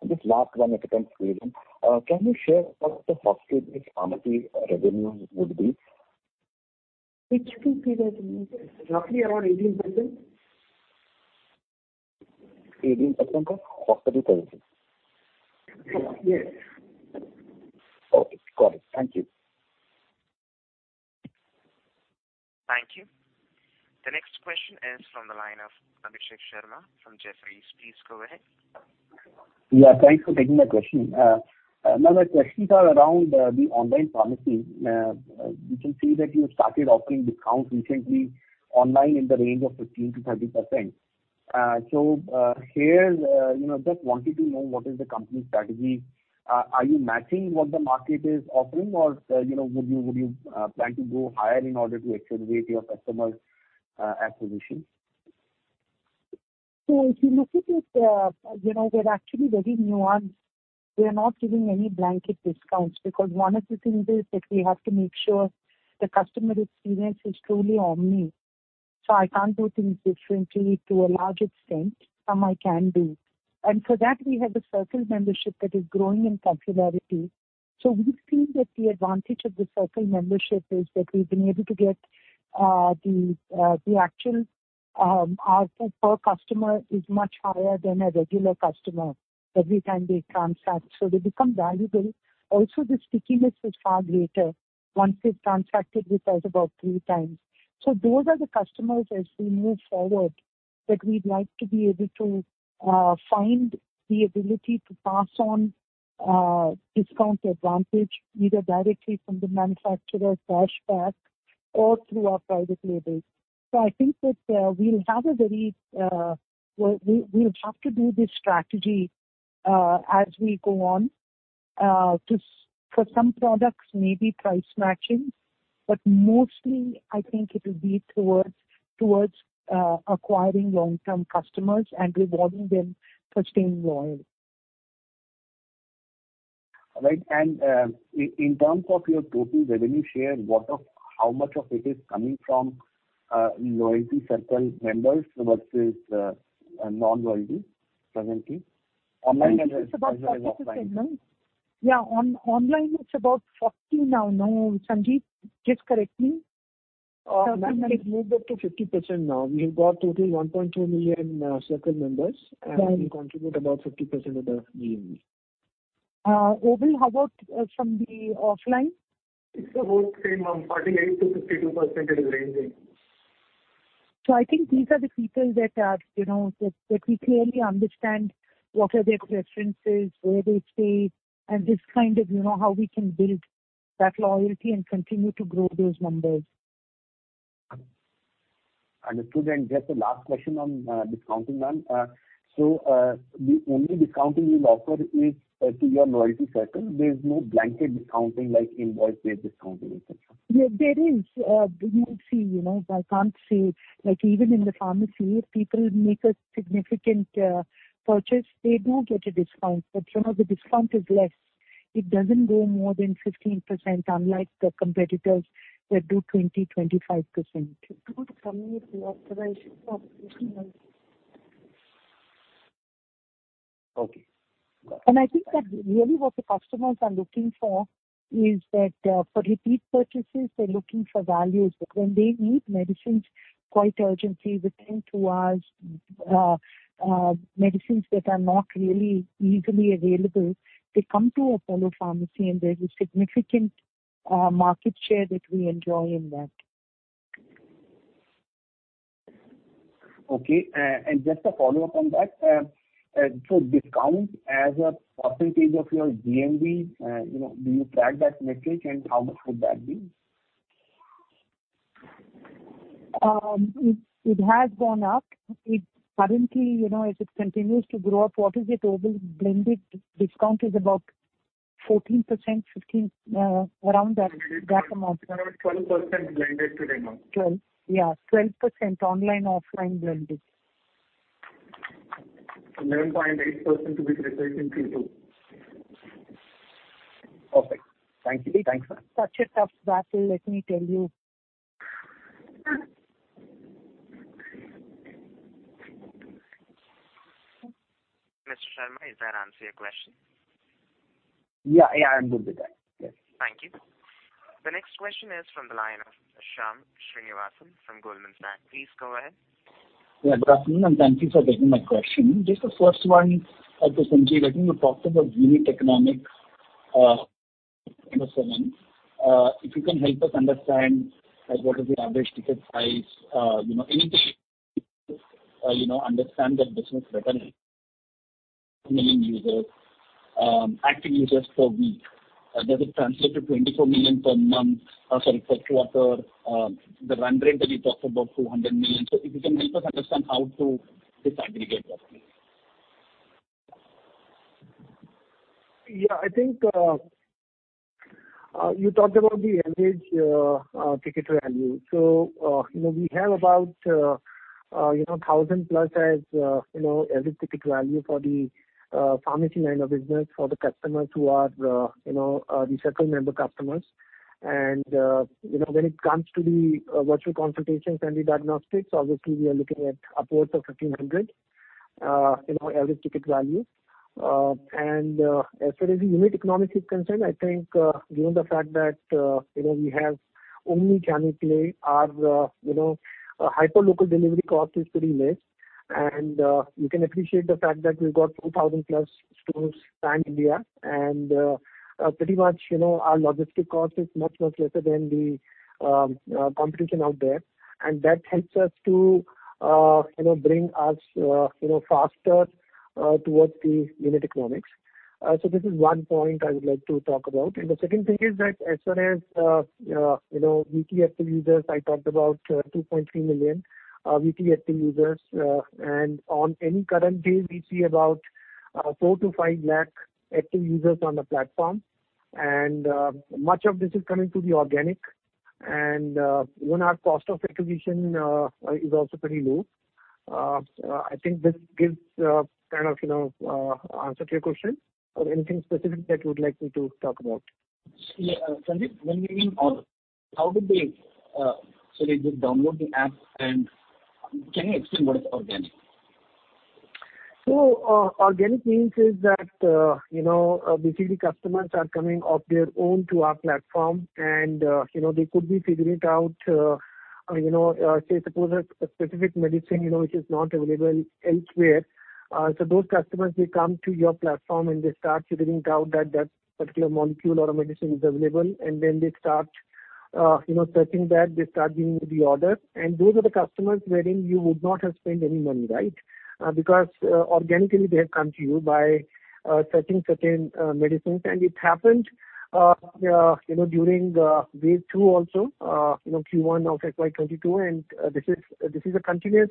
Just last one if it doesn't bother you. Can you share what the hospital-based pharmacy revenue would be? Which two periods are you interested in? Roughly around 18%. 18% of hospital services? Yes. Okay, got it. Thank you. Thank you. The next question is from the line of Abhishek Sharma from Jefferies. Please go ahead. Yeah, thanks for taking my question. My questions are around the online pharmacy. We can see that you started offering discounts recently online in the range of 15%-30%. You know, just wanted to know what is the company's strategy. Are you matching what the market is offering or, you know, would you plan to go higher in order to accelerate your customer acquisition? If you look at it, you know, we're actually very nuanced. We are not giving any blanket discounts because one of the things is that we have to make sure the customer experience is truly omni. I can't do things differently to a large extent. Some I can do. For that we have the Circle membership that is growing in popularity. We feel that the advantage of the Circle membership is that we've been able to get the actual our per customer is much higher than a regular customer every time they transact. They become valuable. Also the stickiness is far greater once they've transacted with us about three times. Those are the customers as we move forward that we'd like to be able to find the ability to pass on discount advantage either directly from the manufacturer cashback or through our private labels. I think that we'll have to do this strategy very well as we go on for some products, maybe price matching, but mostly I think it'll be towards acquiring long-term customers and rewarding them sustained loyalty. Right. In terms of your total revenue share, how much of it is coming from loyalty Circle members versus non-loyalty presently? Online as well as offline. It's about 40%, ma'am. Yeah. Online it's about 40% now. No, Sanjiv Gupta, please correct me. Now it is moved up to 50% now. We have got total 1.2 million CIRCLE members. Right. They contribute about 50% of the GMV. Obul, how about from the offline? It's about the same, ma'am. 48%-52% it is ranging. I think these are the people that are, you know, that we clearly understand what are their preferences, where they stay, and this kind of, you know, how we can build that loyalty and continue to grow those numbers. Understood. Just a last question on discounting, ma'am. The only discounting you'll offer is to your loyalty Circle. There's no blanket discounting like invoice-based discounting et cetera. Yeah, there is. You'll see, you know, I can't say, like even in the pharmacy, if people make a significant purchase, they do get a discount. You know, the discount is less. It doesn't go more than 15% unlike the competitors that do 20%-25%. To the company if we authorize it, obviously. Okay. Got it. I think that really what the customers are looking for is that, for repeat purchases they're looking for values. When they need medicines quite urgently, within two hours, medicines that are not really easily available, they come to Apollo Pharmacy and there's a significant market share that we enjoy in that. Okay. Just a follow-up on that. Discount as a percentage of your GMV, you know, do you track that metric and how much could that be? It has gone up. It currently, you know, as it continues to grow up, what is it, Obul? Blended discount is about 14%-15%, around that amount. Around 12% blended right now. 12. Yeah, 12% online, offline blended. 11.8% to be precise in Q2. Perfect. Thank you. Such a tough battle, let me tell you. Mr. Sharma, does that answer your question? Yeah, yeah, I'm good with that. Yes. Thank you. The next question is from the line of Shyam Srinivasan from Goldman Sachs. Please go ahead. Yeah, good afternoon, and thank you for taking my question. Just the first one to Sanjiv. I think you talked about unit economics in the segment. If you can help us understand, like, what is the average ticket size, you know, anything, you know, understand that business better. 1 million users, active users per week. Does it translate to 24 million per month or sorry, per quarter? The run rate that you talked about, 200 million. So if you can help us understand how to disaggregate that, please. I think you talked about the average ticket value. You know, we have about 1,000+ as average ticket value for the pharmacy line of business for the customers who are the CIRCLE member customers. You know, when it comes to the virtual consultations and the diagnostics, obviously we are looking at upwards of 1,500 average ticket value. As far as the unit economics is concerned, I think given the fact that you know, we have omni-channel play, our hyperlocal delivery cost is pretty less. You can appreciate the fact that we've got 2,000+ stores pan India. Pretty much, you know, our logistic cost is much, much lesser than the competition out there. That helps us to bring us faster towards the unit economics. This is one point I would like to talk about. The second thing is that as far as weekly active users, I talked about 2.3 million weekly active users. On any current day, we see about 4-5 lakh active users on the platform. Much of this is coming through the organic and even our cost of acquisition is also pretty low. I think this gives kind of answer to your question or anything specific that you would like me to talk about. Sanjiv, when we mean how did they download the app? Sorry, they download the app and can you explain what is organic? Organic means is that, you know, basically customers are coming of their own to our platform and, you know, they could be figuring out, you know, say suppose a specific medicine, which is not available elsewhere. Those customers, they come to your platform, and they start figuring out that that particular molecule or a medicine is available. And then they start, you know, searching that, they start giving the order. And those are the customers wherein you would not have spent any money, right? Because, organically they have come to you by, searching certain, medicines. And it happened during wave two also, you know, Q1 of FY 2022. And this is a continuous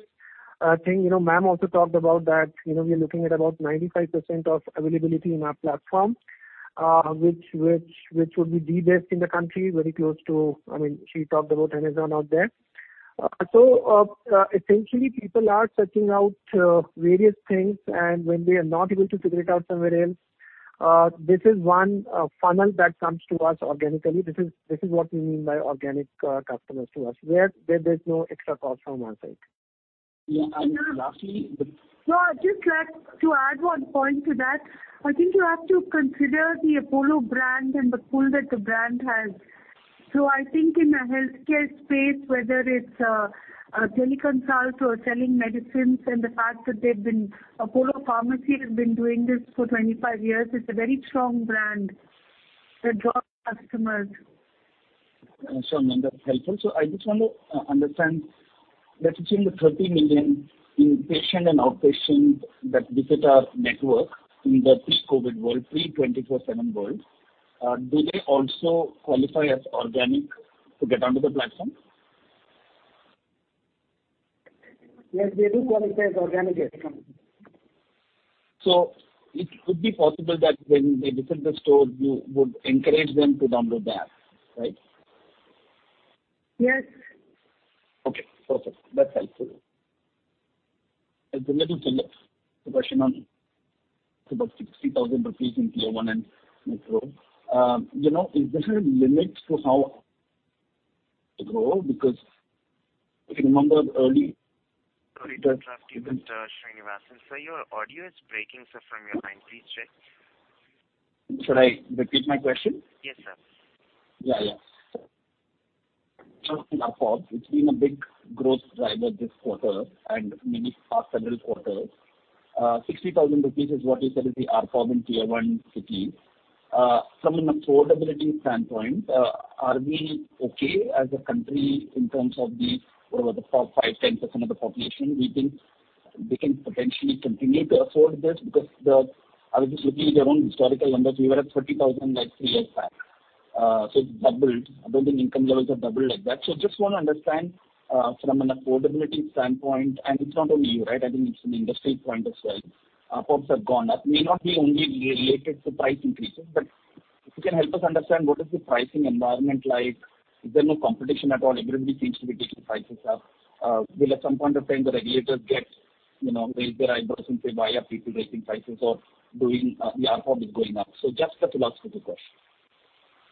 thing. You know, ma'am also talked about that, you know, we are looking at about 95% of availability in our platform, which would be the best in the country, very close to. I mean, she talked about Amazon out there. So, essentially people are searching out various things, and when they are not able to figure it out somewhere else, this is one funnel that comes to us organically. This is what we mean by organic customers to us, where there's no extra cost from our side. Yeah. Lastly- No, I'd just like to add one point to that. I think you have to consider the Apollo brand and the pull that the brand has. I think in the healthcare space, whether it's a teleconsult or selling medicines, and the fact that Apollo Pharmacy has been doing this for 25 years. It's a very strong brand that draws customers. Sure, ma'am, that's helpful. I just want to understand that between the 30 million inpatient and outpatient that visit our network in the pre-COVID world, pre-24/7 world, do they also qualify as organic to get onto the platform? Yes, they do qualify as organic, yes. It could be possible that when they visit the store, you would encourage them to download the app, right? Yes. Okay, perfect. That's helpful. As a little follow-up question on about 60,000 rupees in tier one and metro. You know, is there a limit to how to grow? Because if you remember early- Sorry to interrupt you, Mr. Srinivasan. Sir, your audio is breaking, sir, from your end. Please check. Should I repeat my question? Yes, sir. Yeah, yeah. Just in ARPOB, it's been a big growth driver this quarter and maybe for several quarters. 60,000 rupees is what you said is the ARPOB in tier one cities. From an affordability standpoint, are we okay as a country in terms of what about the top five, 10% of the population? Do you think they can potentially continue to afford this? Because I was just looking at your own historical numbers. You were at 30,000 like three years back. It's doubled. I don't think income levels have doubled like that. Just wanna understand, from an affordability standpoint, and it's not only you, right? I think it's an industry point as well. RPOPs have gone up, may not be only related to price increases. If you can help us understand what is the pricing environment like? Is there no competition at all? Everybody seems to be taking prices up. Will at some point of time the regulators get- You know, there's the right person to say why are people raising prices or doing, the ARPOB is going up. Just a philosophical question.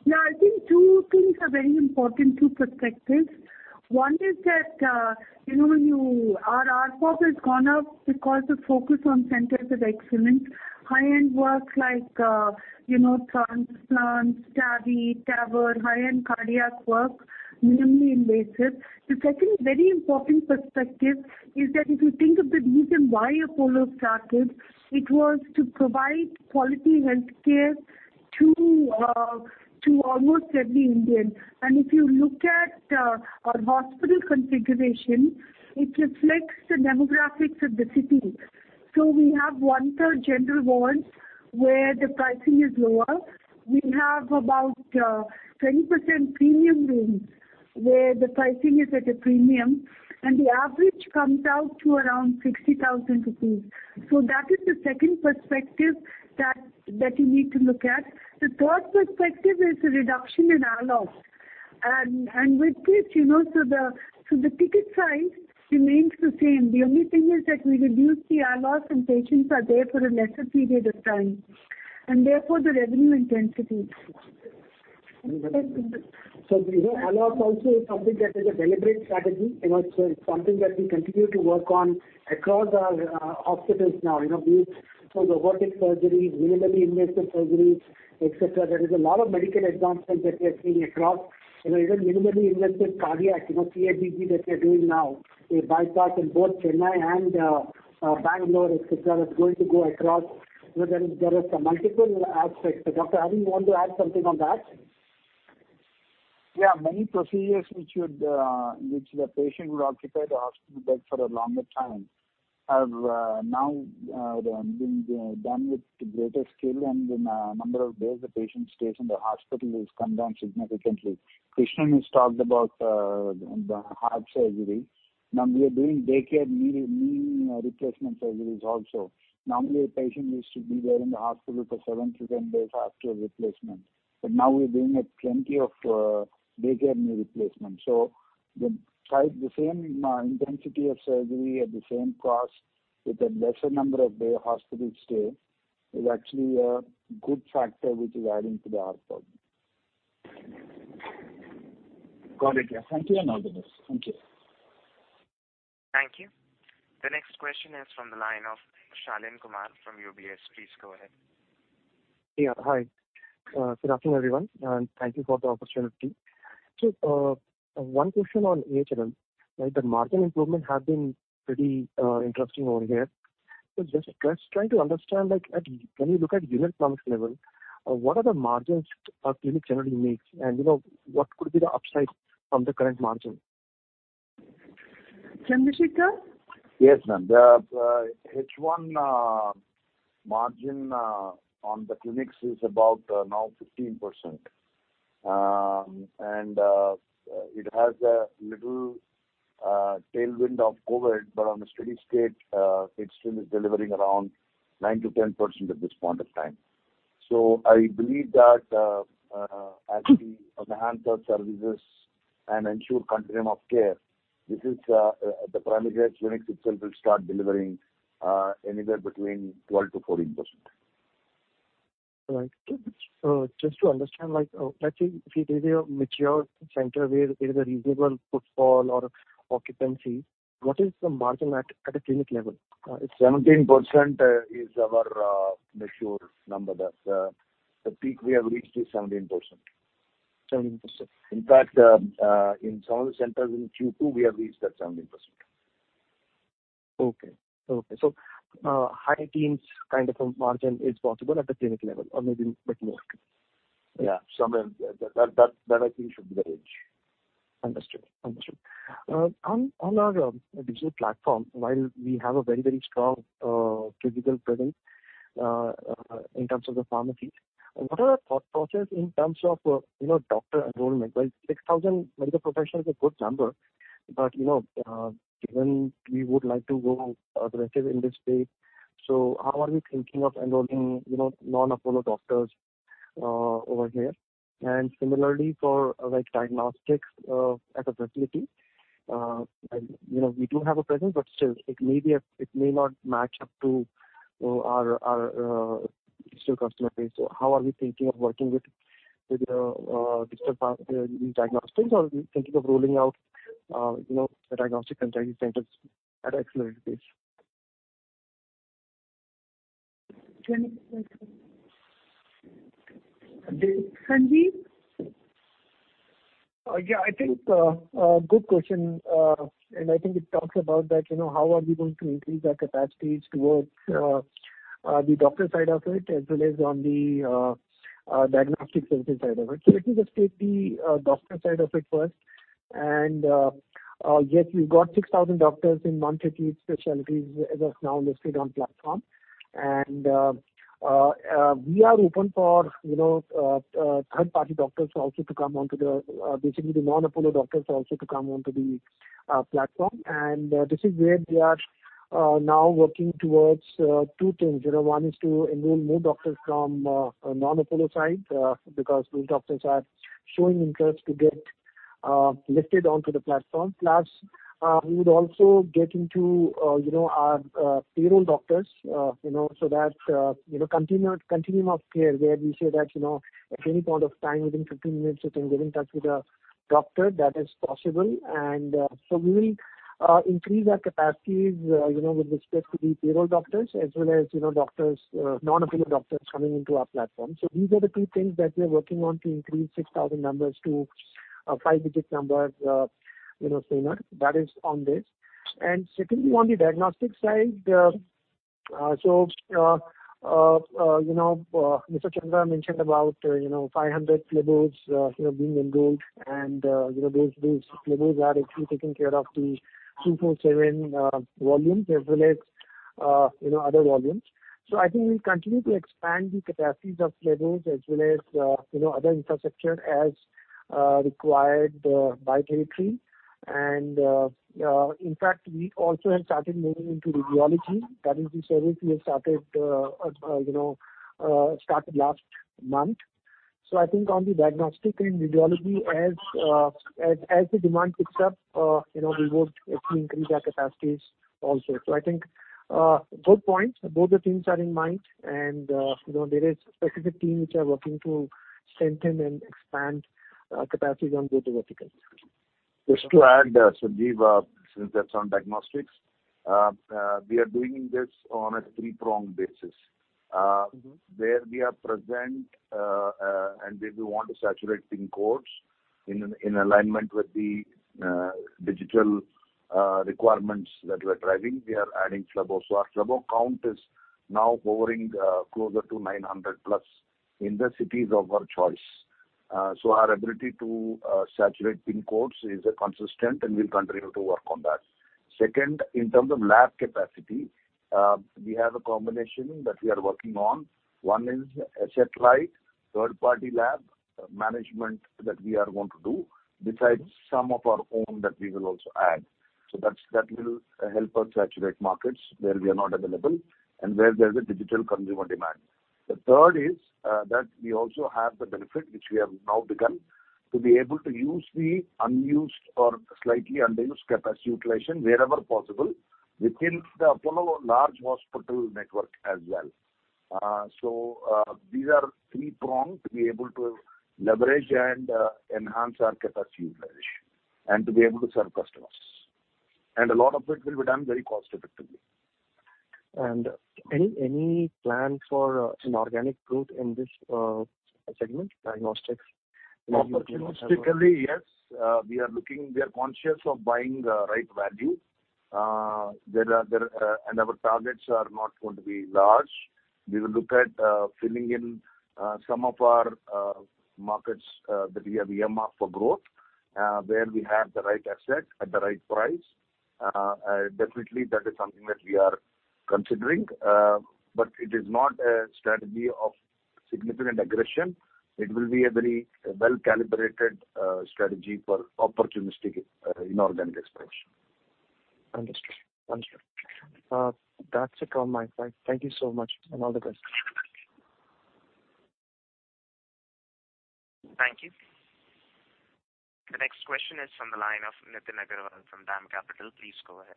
No, I think two things are very important, two perspectives. One is that, you know, our ARPOB has gone up because the focus on centers of excellence, high-end work like, you know, transplants, TAVI, TAVR, high-end cardiac work, minimally invasive. The second very important perspective is that if you think of the reason why Apollo started, it was to provide quality health care to almost every Indian. If you look at our hospital configuration, it reflects the demographics of the city. We have one-third general wards, where the pricing is lower. We have about 20% premium rooms, where the pricing is at a premium, and the average comes out to around 60,000 rupees. That is the second perspective that you need to look at. The third perspective is the reduction in ALOS. with this, you know, so the ticket size remains the same. The only thing is that we reduce the ALOS and patients are there for a lesser period of time, and therefore, the revenue intensity. You know, ALOS also is something that is a deliberate strategy, you know, so it's something that we continue to work on across our hospitals now. You know, be it for robotic surgeries, minimally invasive surgeries, et cetera. There is a lot of medical advancements that we are seeing across. You know, even minimally invasive cardiac, you know, CABG that we are doing now, a bypass in both Chennai and Bangalore, et cetera, is going to go across. You know, there is some multiple aspects. Doctor, I think you want to add something on that. Yeah. Many procedures which the patient would occupy the hospital bed for a longer time have now been done with greater skill. The number of days the patient stays in the hospital has come down significantly. A. Krishnan has talked about the heart surgery. Now we are doing daycare knee replacement surgeries also. Normally, a patient used to be there in the hospital for seven-10 days after a replacement. Now we're doing plenty of daycare knee replacement. The same intensity of surgery at the same cost with a lesser number of days hospital stay is actually a good factor which is adding to the ARPOB. Got it. Yeah. Thank you, and all the best. Thank you. Thank you. The next question is from the line of Shaleen Kumar from UBS. Please go ahead. Hi. Good afternoon, everyone, and thank you for the opportunity. One question on AHLL. Like, the margin improvement has been pretty interesting over here. Just trying to understand, like, can you look at unit economics level, what are the margins a clinic generally makes? You know, what could be the upside from the current margin? Chandra Sekhar? Yes, ma'am. The H1 margin on the clinics is about now 15%. It has a little tailwind of COVID, but on a steady state, it's still delivering around 9%-10% at this point of time. I believe that as we enhance our services and ensure continuum of care, this is the parameters clinics itself will start delivering anywhere between 12%-14%. All right. Just to understand, like, let's say if it is a mature center where it is a reasonable footfall or occupancy, what is the margin at a clinic level? It's 17%, is our mature number. The peak we have reached is 17%. 17%. In fact, in some of the centers in Q2, we have reached that 17%. High-teens kind of a margin is possible at the clinic level or maybe a bit more. Yeah. That I think should be the range. Understood. On our digital platform, while we have a very strong physical presence in terms of the pharmacies, what are our thought process in terms of doctor enrollment? Like 6,000 medical professionals is a good number, but given we would like to go aggressive in this space, how are we thinking of enrolling non-Apollo doctors over here? Similarly for like diagnostics as a facility, and we do have a presence, but still it may not match up to our such customer base. How are we thinking of working with different diagnostics or are we thinking of rolling out diagnostic centers at accelerated pace? Chandra Sekhar. Sanjiv? Yeah, I think a good question. I think it talks about that, you know, how are we going to increase our capacities towards the doctor side of it as well as on the diagnostic services side of it. Let me just take the doctor side of it first. Yes, we've got 6,000 doctors in 158 specialties as of now listed on platform. We are open for, you know, third-party doctors also to come onto the basically the non-Apollo doctors also to come onto the platform. This is where we are now working towards two things. You know, one is to enroll more doctors from non-Apollo side because these doctors are showing interest to get listed onto the platform. Plus, we would also get into, you know, our payroll doctors, you know, so that continuum of care where we say that, you know, at any point of time within 15 minutes you can get in touch with a doctor, that is possible. So we will increase our capacities, you know, with respect to the payroll doctors as well as, you know, doctors, non-affiliate doctors coming into our platform. These are the two things that we are working on to increase 6,000 numbers to a five-digit number, you know, sooner. That is on this. Secondly, on the diagnostic side, you know, Mr. Chandra mentioned about, you know, 500 phlebotomists, you know, being enrolled and, you know, those phlebotomists are actually taking care of the Apollo 24|7 volumes as well as, you know, other volumes. I think we'll continue to expand the capacities of phlebotomists as well as, you know, other infrastructure as, required, by territory. In fact, we also have started moving into radiology. That is the service we have started, you know, last month. I think on the diagnostic and radiology as, the demand picks up, you know, we would actually increase our capacities also. I think, both the things are in mind and, you know, there is specific team which are working to strengthen and expand, capacities on both the verticals. Just to add, Sanjiv, since that's on diagnostics. We are doing this on a three-pronged basis. Mm-hmm. where we are present, and where we want to saturate pin codes in alignment with the digital requirements that we're driving, we are adding phlebo. So our phlebo count is now hovering closer to 900+ in the cities of our choice. So our ability to saturate pin codes is consistent, and we'll continue to work on that. Second, in terms of lab capacity, we have a combination that we are working on. One is a satellite third-party lab management that we are going to do, besides some of our own that we will also add. So that will help us saturate markets where we are not available and where there's a digital consumer demand. The third is that we also have the benefit which we have now begun to be able to use the unused or slightly underused capacity utilization wherever possible within the Apollo large hospital network as well. These are three-pronged to be able to leverage and enhance our capacity utilization and to be able to serve customers. A lot of it will be done very cost-effectively. Any plan for an organic growth in this segment, diagnostics? Opportunistically, yes. We are looking, we are conscious of buying the right value. Our targets are not going to be large. We will look at filling in some of our markets that we have earmarked for growth where we have the right asset at the right price. Definitely that is something that we are considering. It is not a strategy of significant aggression. It will be a very well-calibrated strategy for opportunistic inorganic expansion. Understood. That's it from my side. Thank you so much. I'm out of questions. Thank you. The next question is from the line of Nitin Agarwal from DAM Capital. Please go ahead.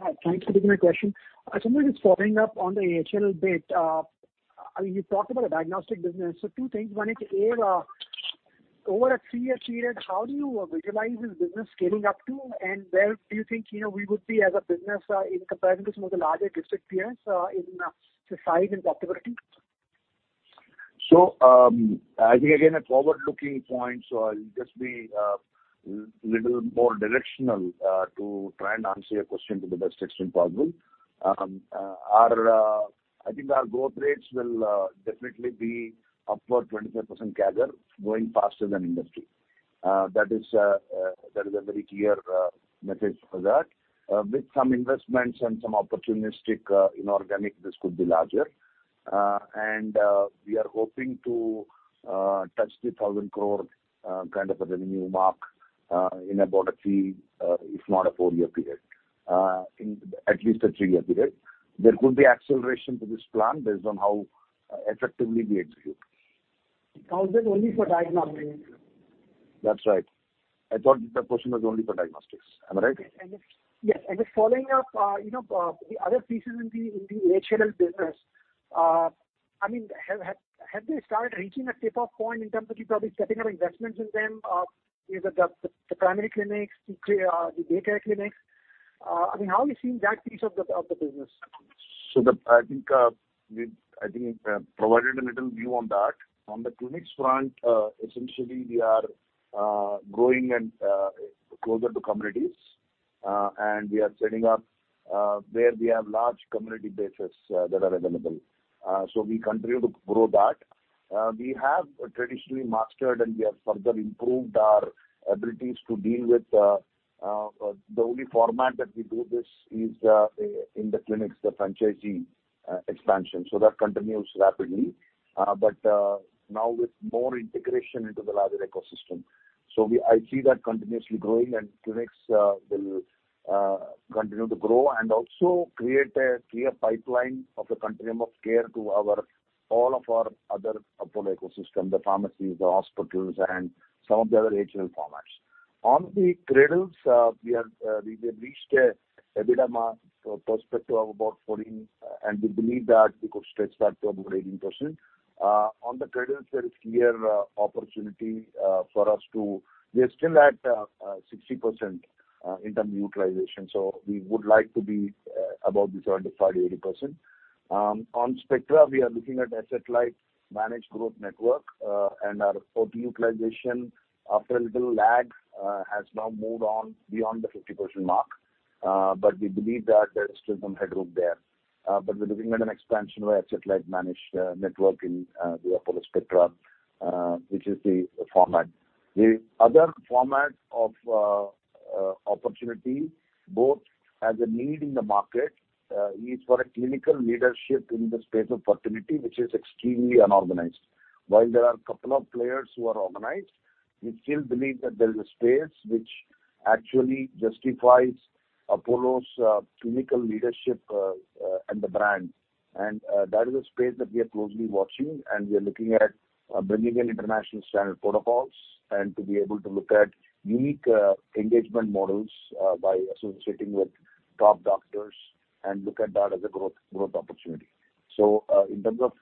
Hi. Thank you for taking my question. I just wanted to follow up on the AHLL bit. I mean, you talked about the diagnostic business. Two things. One is, A, over a three-year period, how do you visualize this business scaling up to? And where do you think, you know, we would be as a business, in comparison to some of the larger peers, in size and profitability? I think, again, a forward-looking point, so I'll just be a little more directional to try and answer your question to the best extent possible. I think our growth rates will definitely be upward 25% CAGR, growing faster than industry. That is a very clear message for that. With some investments and some opportunistic inorganic, this could be larger. We are hoping to touch the 1,000 crore kind of a revenue mark in about a three-year, if not a four-year period. In at least a three-year period. There could be acceleration to this plan based on how effectively we execute. How is it only for diagnostics? That's right. I thought the question was only for diagnostics. Am I right? Yes. Just following up, you know, the other pieces in the AHLL business, I mean, have they started reaching a tipping point in terms of you probably stepping up investments in them? Is it the primary clinics, the daycare clinics? I mean, how are you seeing that piece of the business? I think we've provided a little view on that. On the clinics front, essentially we are growing and closer to communities. We are setting up where we have large community bases that are available. We continue to grow that. We have traditionally mastered and we have further improved our abilities to deal with the only format that we do this is in the clinics, the franchisee expansion. That continues rapidly now with more integration into the larger ecosystem. I see that continuously growing and clinics will continue to grow and also create a clear pipeline of the continuum of care to all of our other Apollo ecosystem, the pharmacies, the hospitals, and some of the other AHLL formats. On the Cradles, we have reached an EBITDA perspective of about 14%, and we believe that we could stretch that to about 18%. On the Cradles there is clear opportunity. We are still at 60% in terms of utilization. We would like to be above 80%. On Spectra, we are looking at asset-light managed growth network, and our bed utilization after a little lag has now moved on beyond the 50% mark. But we believe that there is still some headroom there. But we're looking at an expansion of our asset-light managed network in the Apollo Spectra, which is the format. The other facet of opportunity, both as a need in the market, is for a clinical leadership in the space of fertility, which is extremely unorganized. While there are a couple of players who are organized, we still believe that there is a space which actually justifies Apollo's clinical leadership and the brand. That is a space that we are closely watching, and we are looking at bringing in international standard protocols and to be able to look at unique engagement models by associating with top doctors and look at that as a growth opportunity. In terms of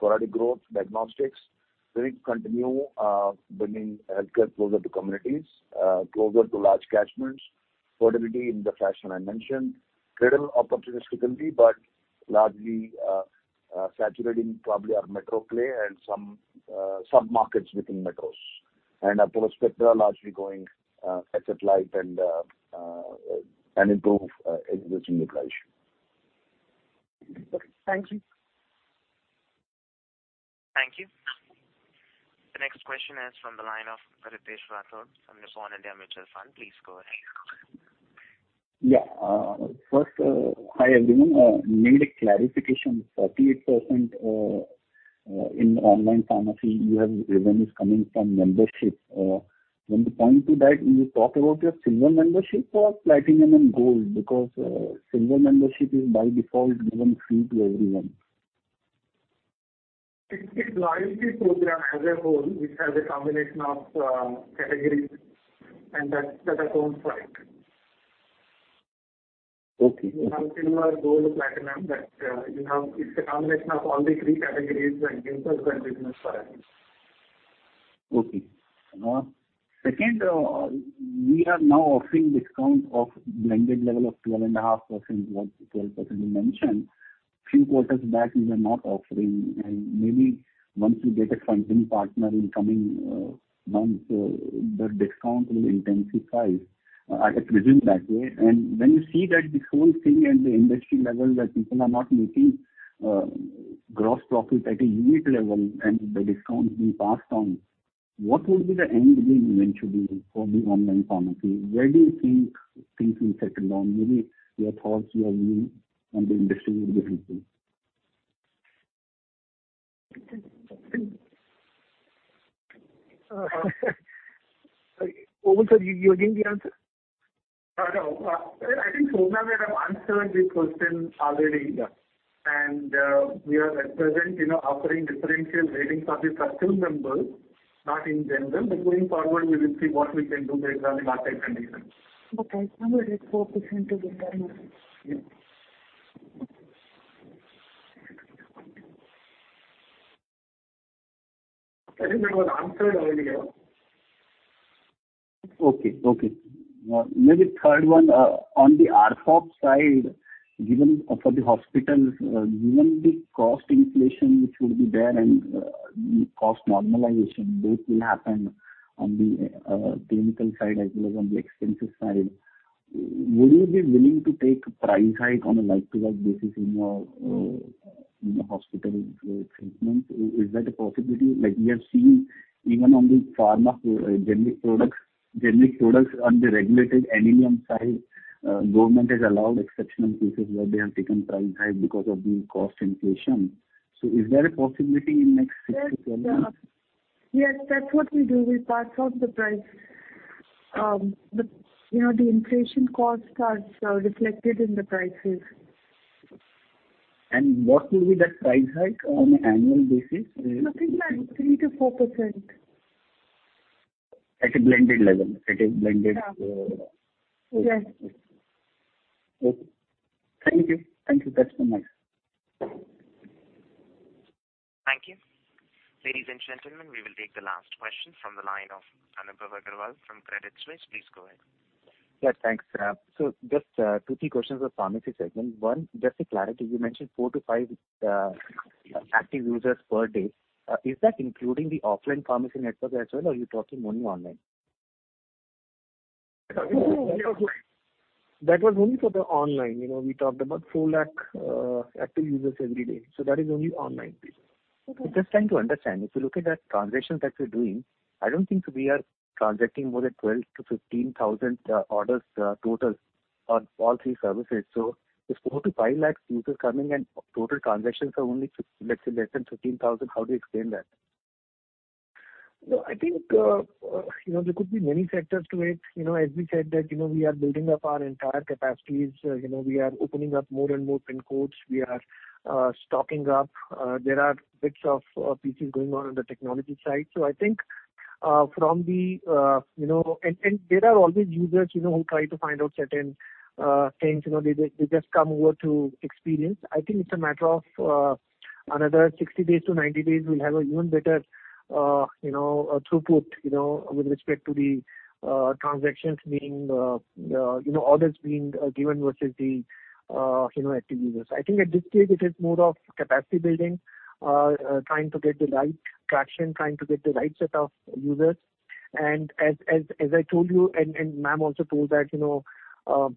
inorganic growth, diagnostics, we need to continue bringing healthcare closer to communities, closer to large catchments, fertility in the fashion I mentioned. Cradle opportunistically, but largely saturating probably our metro play and some sub-markets within metros. Apollo Spectra largely going asset-light and improve existing utilization. Okay, thank you. Thank you. The next question is from the line of Ritesh Rathod from Nippon India Mutual Fund. Please go ahead. First, hi, everyone. Need a clarification. 48% in online pharmacy you have revenues coming from membership. When you point to that, will you talk about your silver membership or platinum and gold? Because silver membership is by default given free to everyone. It's the loyalty program as a whole, which has a combination of categories, and that accounts for it. Okay. We have silver, gold, platinum. You know, it's a combination of all the three categories that gives us the business for it. Okay. Second, we are now offering discount of blended level of 12.5%, what 12% you mentioned. Few quarters back you were not offering, and maybe once you get a funding partner in coming months, the discount will intensify. I presume that way. When you see that this whole thing at the industry level, that people are not making gross profit at a unit level and the discount being passed on, what would be the end game eventually for the online pharmacy? Where do you think things will settle down? Maybe your thoughts, your view on the industry would be helpful. Over to you, Obul Reddy, the answer. I know. I think Shobana madam answered the question already. We are at present, you know, offering differential ratings for the platinum members, not in general. Going forward, we will see what we can do based on the market conditions. I think we're at 4% to begin with. I think we have answered already. Okay. Maybe third one, on the ARPOB side, given for the hospitals, given the cost inflation which will be there and cost normalization, both will happen on the clinical side as well as on the expenses side. Will you be willing to take a price hike on a like-to-like basis in your in the hospital treatment? Is that a possibility? Like we have seen even on the pharma, generic products on the regulated NLEM side, government has allowed exceptional cases where they have taken price hike because of the cost inflation. Is there a possibility in next six-12 months? Yes. Yes, that's what we do. We pass on the price. You know, the inflation costs are reflected in the prices. What will be that price hike on an annual basis? Nothing like 3%-4%. At a blended level. Yeah. Okay. Yes. Okay. Thank you. That's all nice. Thank you. Ladies and gentlemen, we will take the last question from the line of Anubhav Aggarwal from Credit Suisse. Please go ahead. Yeah, thanks. Just two to three questions on pharmacy segment. One, just a clarity. You mentioned four to five active users per day. Is that including the offline pharmacy network as well, or are you talking only online? No. That was only for the online. You know, we talked about 4 lakh active users every day. That is only online business. Okay. Just trying to understand. If you look at the transactions that we're doing, I don't think we are transacting more than 12,000-15,000 orders total on all three services. If 4-5 lakh users coming and total transactions are only, let's say less than 15,000, how do you explain that? No, I think you know there could be many factors to it. You know as we said that you know we are building up our entire capacities. You know we are opening up more and more pin codes. We are stocking up. There are bits and pieces going on in the technology side. I think from the you know there are always users you know who try to find out certain things. You know they just come over to experience. I think it's a matter of another 60-90 days. We'll have an even better you know throughput you know with respect to the transactions being you know orders being given versus the you know active users. I think at this stage it is more of capacity building, trying to get the right traction, trying to get the right set of users. As I told you, and ma'am also told that, you know,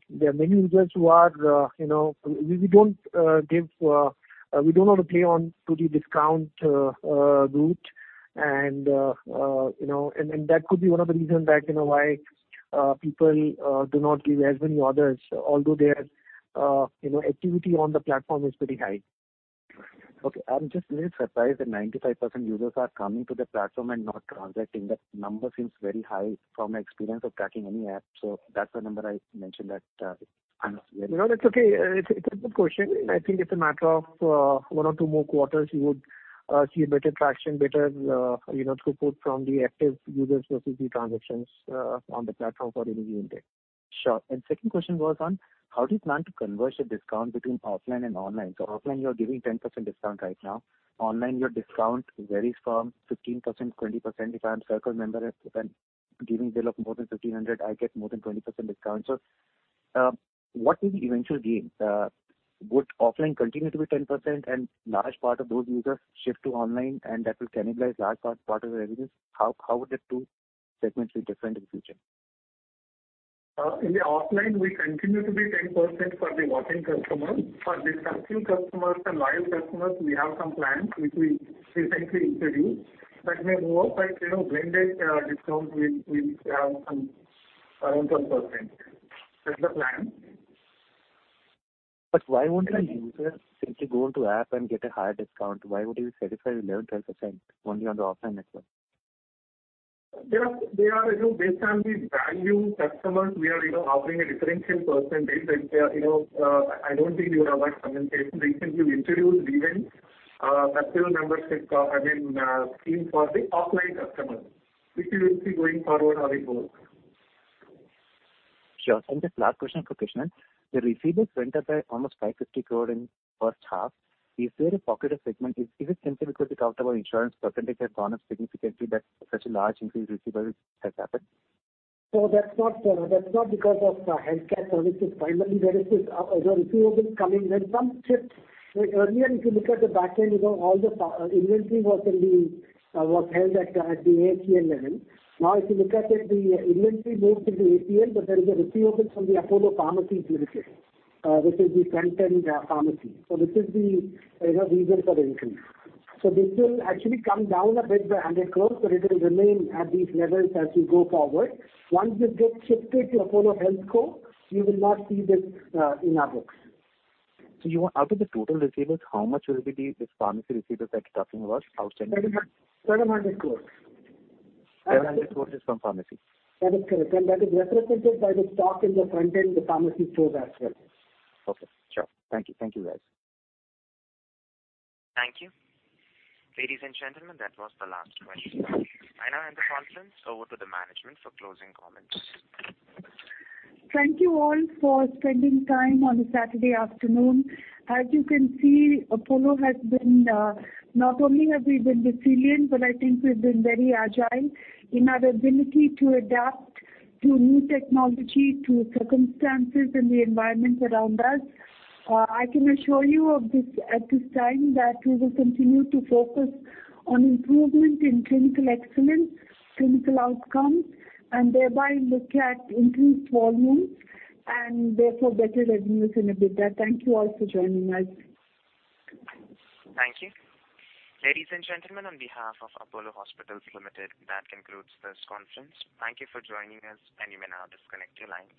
there are many users who are, you know. We don't want to play on to the discount route and, you know. That could be one of the reasons that, you know, why people do not give as many orders, although their, you know, activity on the platform is pretty high. Okay. I'm just really surprised that 95% users are coming to the platform and not transacting. That number seems very high from my experience of tracking any app. That's the number I mentioned that, I'm very- No, that's okay. It's a good question, and I think it's a matter of one or two more quarters you would see a better traction, better you know, throughput from the active users versus the transactions on the platform for any given day. Sure. Second question was on how do you plan to converge the discount between offline and online? Offline you are giving 10% discount right now. Online, your discount varies from 15% to 20%. If I am CIRCLE member and giving bill of more than 1,500, I get more than 20% discount. What will be the eventual gain? Would offline continue to be 10% and large part of those users shift to online and that will cannibalize large part of the revenues? How would that two segments be different in the future? In the offline we continue to be 10% for the walk-in customers. For the Circle customers and loyal customers we have some plans which we recently introduced that may go up and, you know, blended discount we have some around 12%. That's the plan. Why won't a user simply go into app and get a higher discount? Why would he be satisfied with 11%-10% only on the offline network? Yeah. They are, you know, based on the valued customers we are, you know, offering a differential percentage. I don't think you have that competition. Recently we introduced even CIRCLE membership, I mean, scheme for the offline customers which you will see going forward how it goes. Sure. The last question for Krishnan. The receivables went up by almost 550 crore in first half. Is there a particular segment? Is it simply because the accountable insurance percentage has gone up significantly that such a large increase in receivables has happened? That's not because of Healthcare Services. Primarily there is this, you know, receivables coming when some shift. Like earlier if you look at the backend, you know, all the inventory was held at the AAP level. Now if you look at it, the inventory moved to the AAP, but there is a receivable from Apollo Pharmacies Limited, which is the front-end pharmacy. This is the, you know, reason for the increase. This will actually come down a bit by 100 crore, but it will remain at these levels as we go forward. Once this gets shifted to Apollo Healthco, you will not see this in our books. Out of the total receivables, how much will be the, this pharmacy receivables that you're talking about? How much 700 crore. 700 crore is from pharmacy? That is correct. That is represented by the stock in the front-end, the pharmacy stores as well. Okay. Sure. Thank you. Thank you, guys. Thank you. Ladies and gentlemen, that was the last question. I now hand the conference over to the management for closing comments. Thank you all for spending time on a Saturday afternoon. As you can see, Apollo has been, not only have we been resilient, but I think we've been very agile in our ability to adapt to new technology, to circumstances in the environment around us. I can assure you of this, at this time that we will continue to focus on improvement in clinical excellence, clinical outcomes, and thereby look at increased volumes and therefore better revenues and EBITDA. Thank you all for joining us. Thank you. Ladies and gentlemen, on behalf of Apollo Hospitals Limited, that concludes this conference. Thank you for joining us, and you may now disconnect your lines.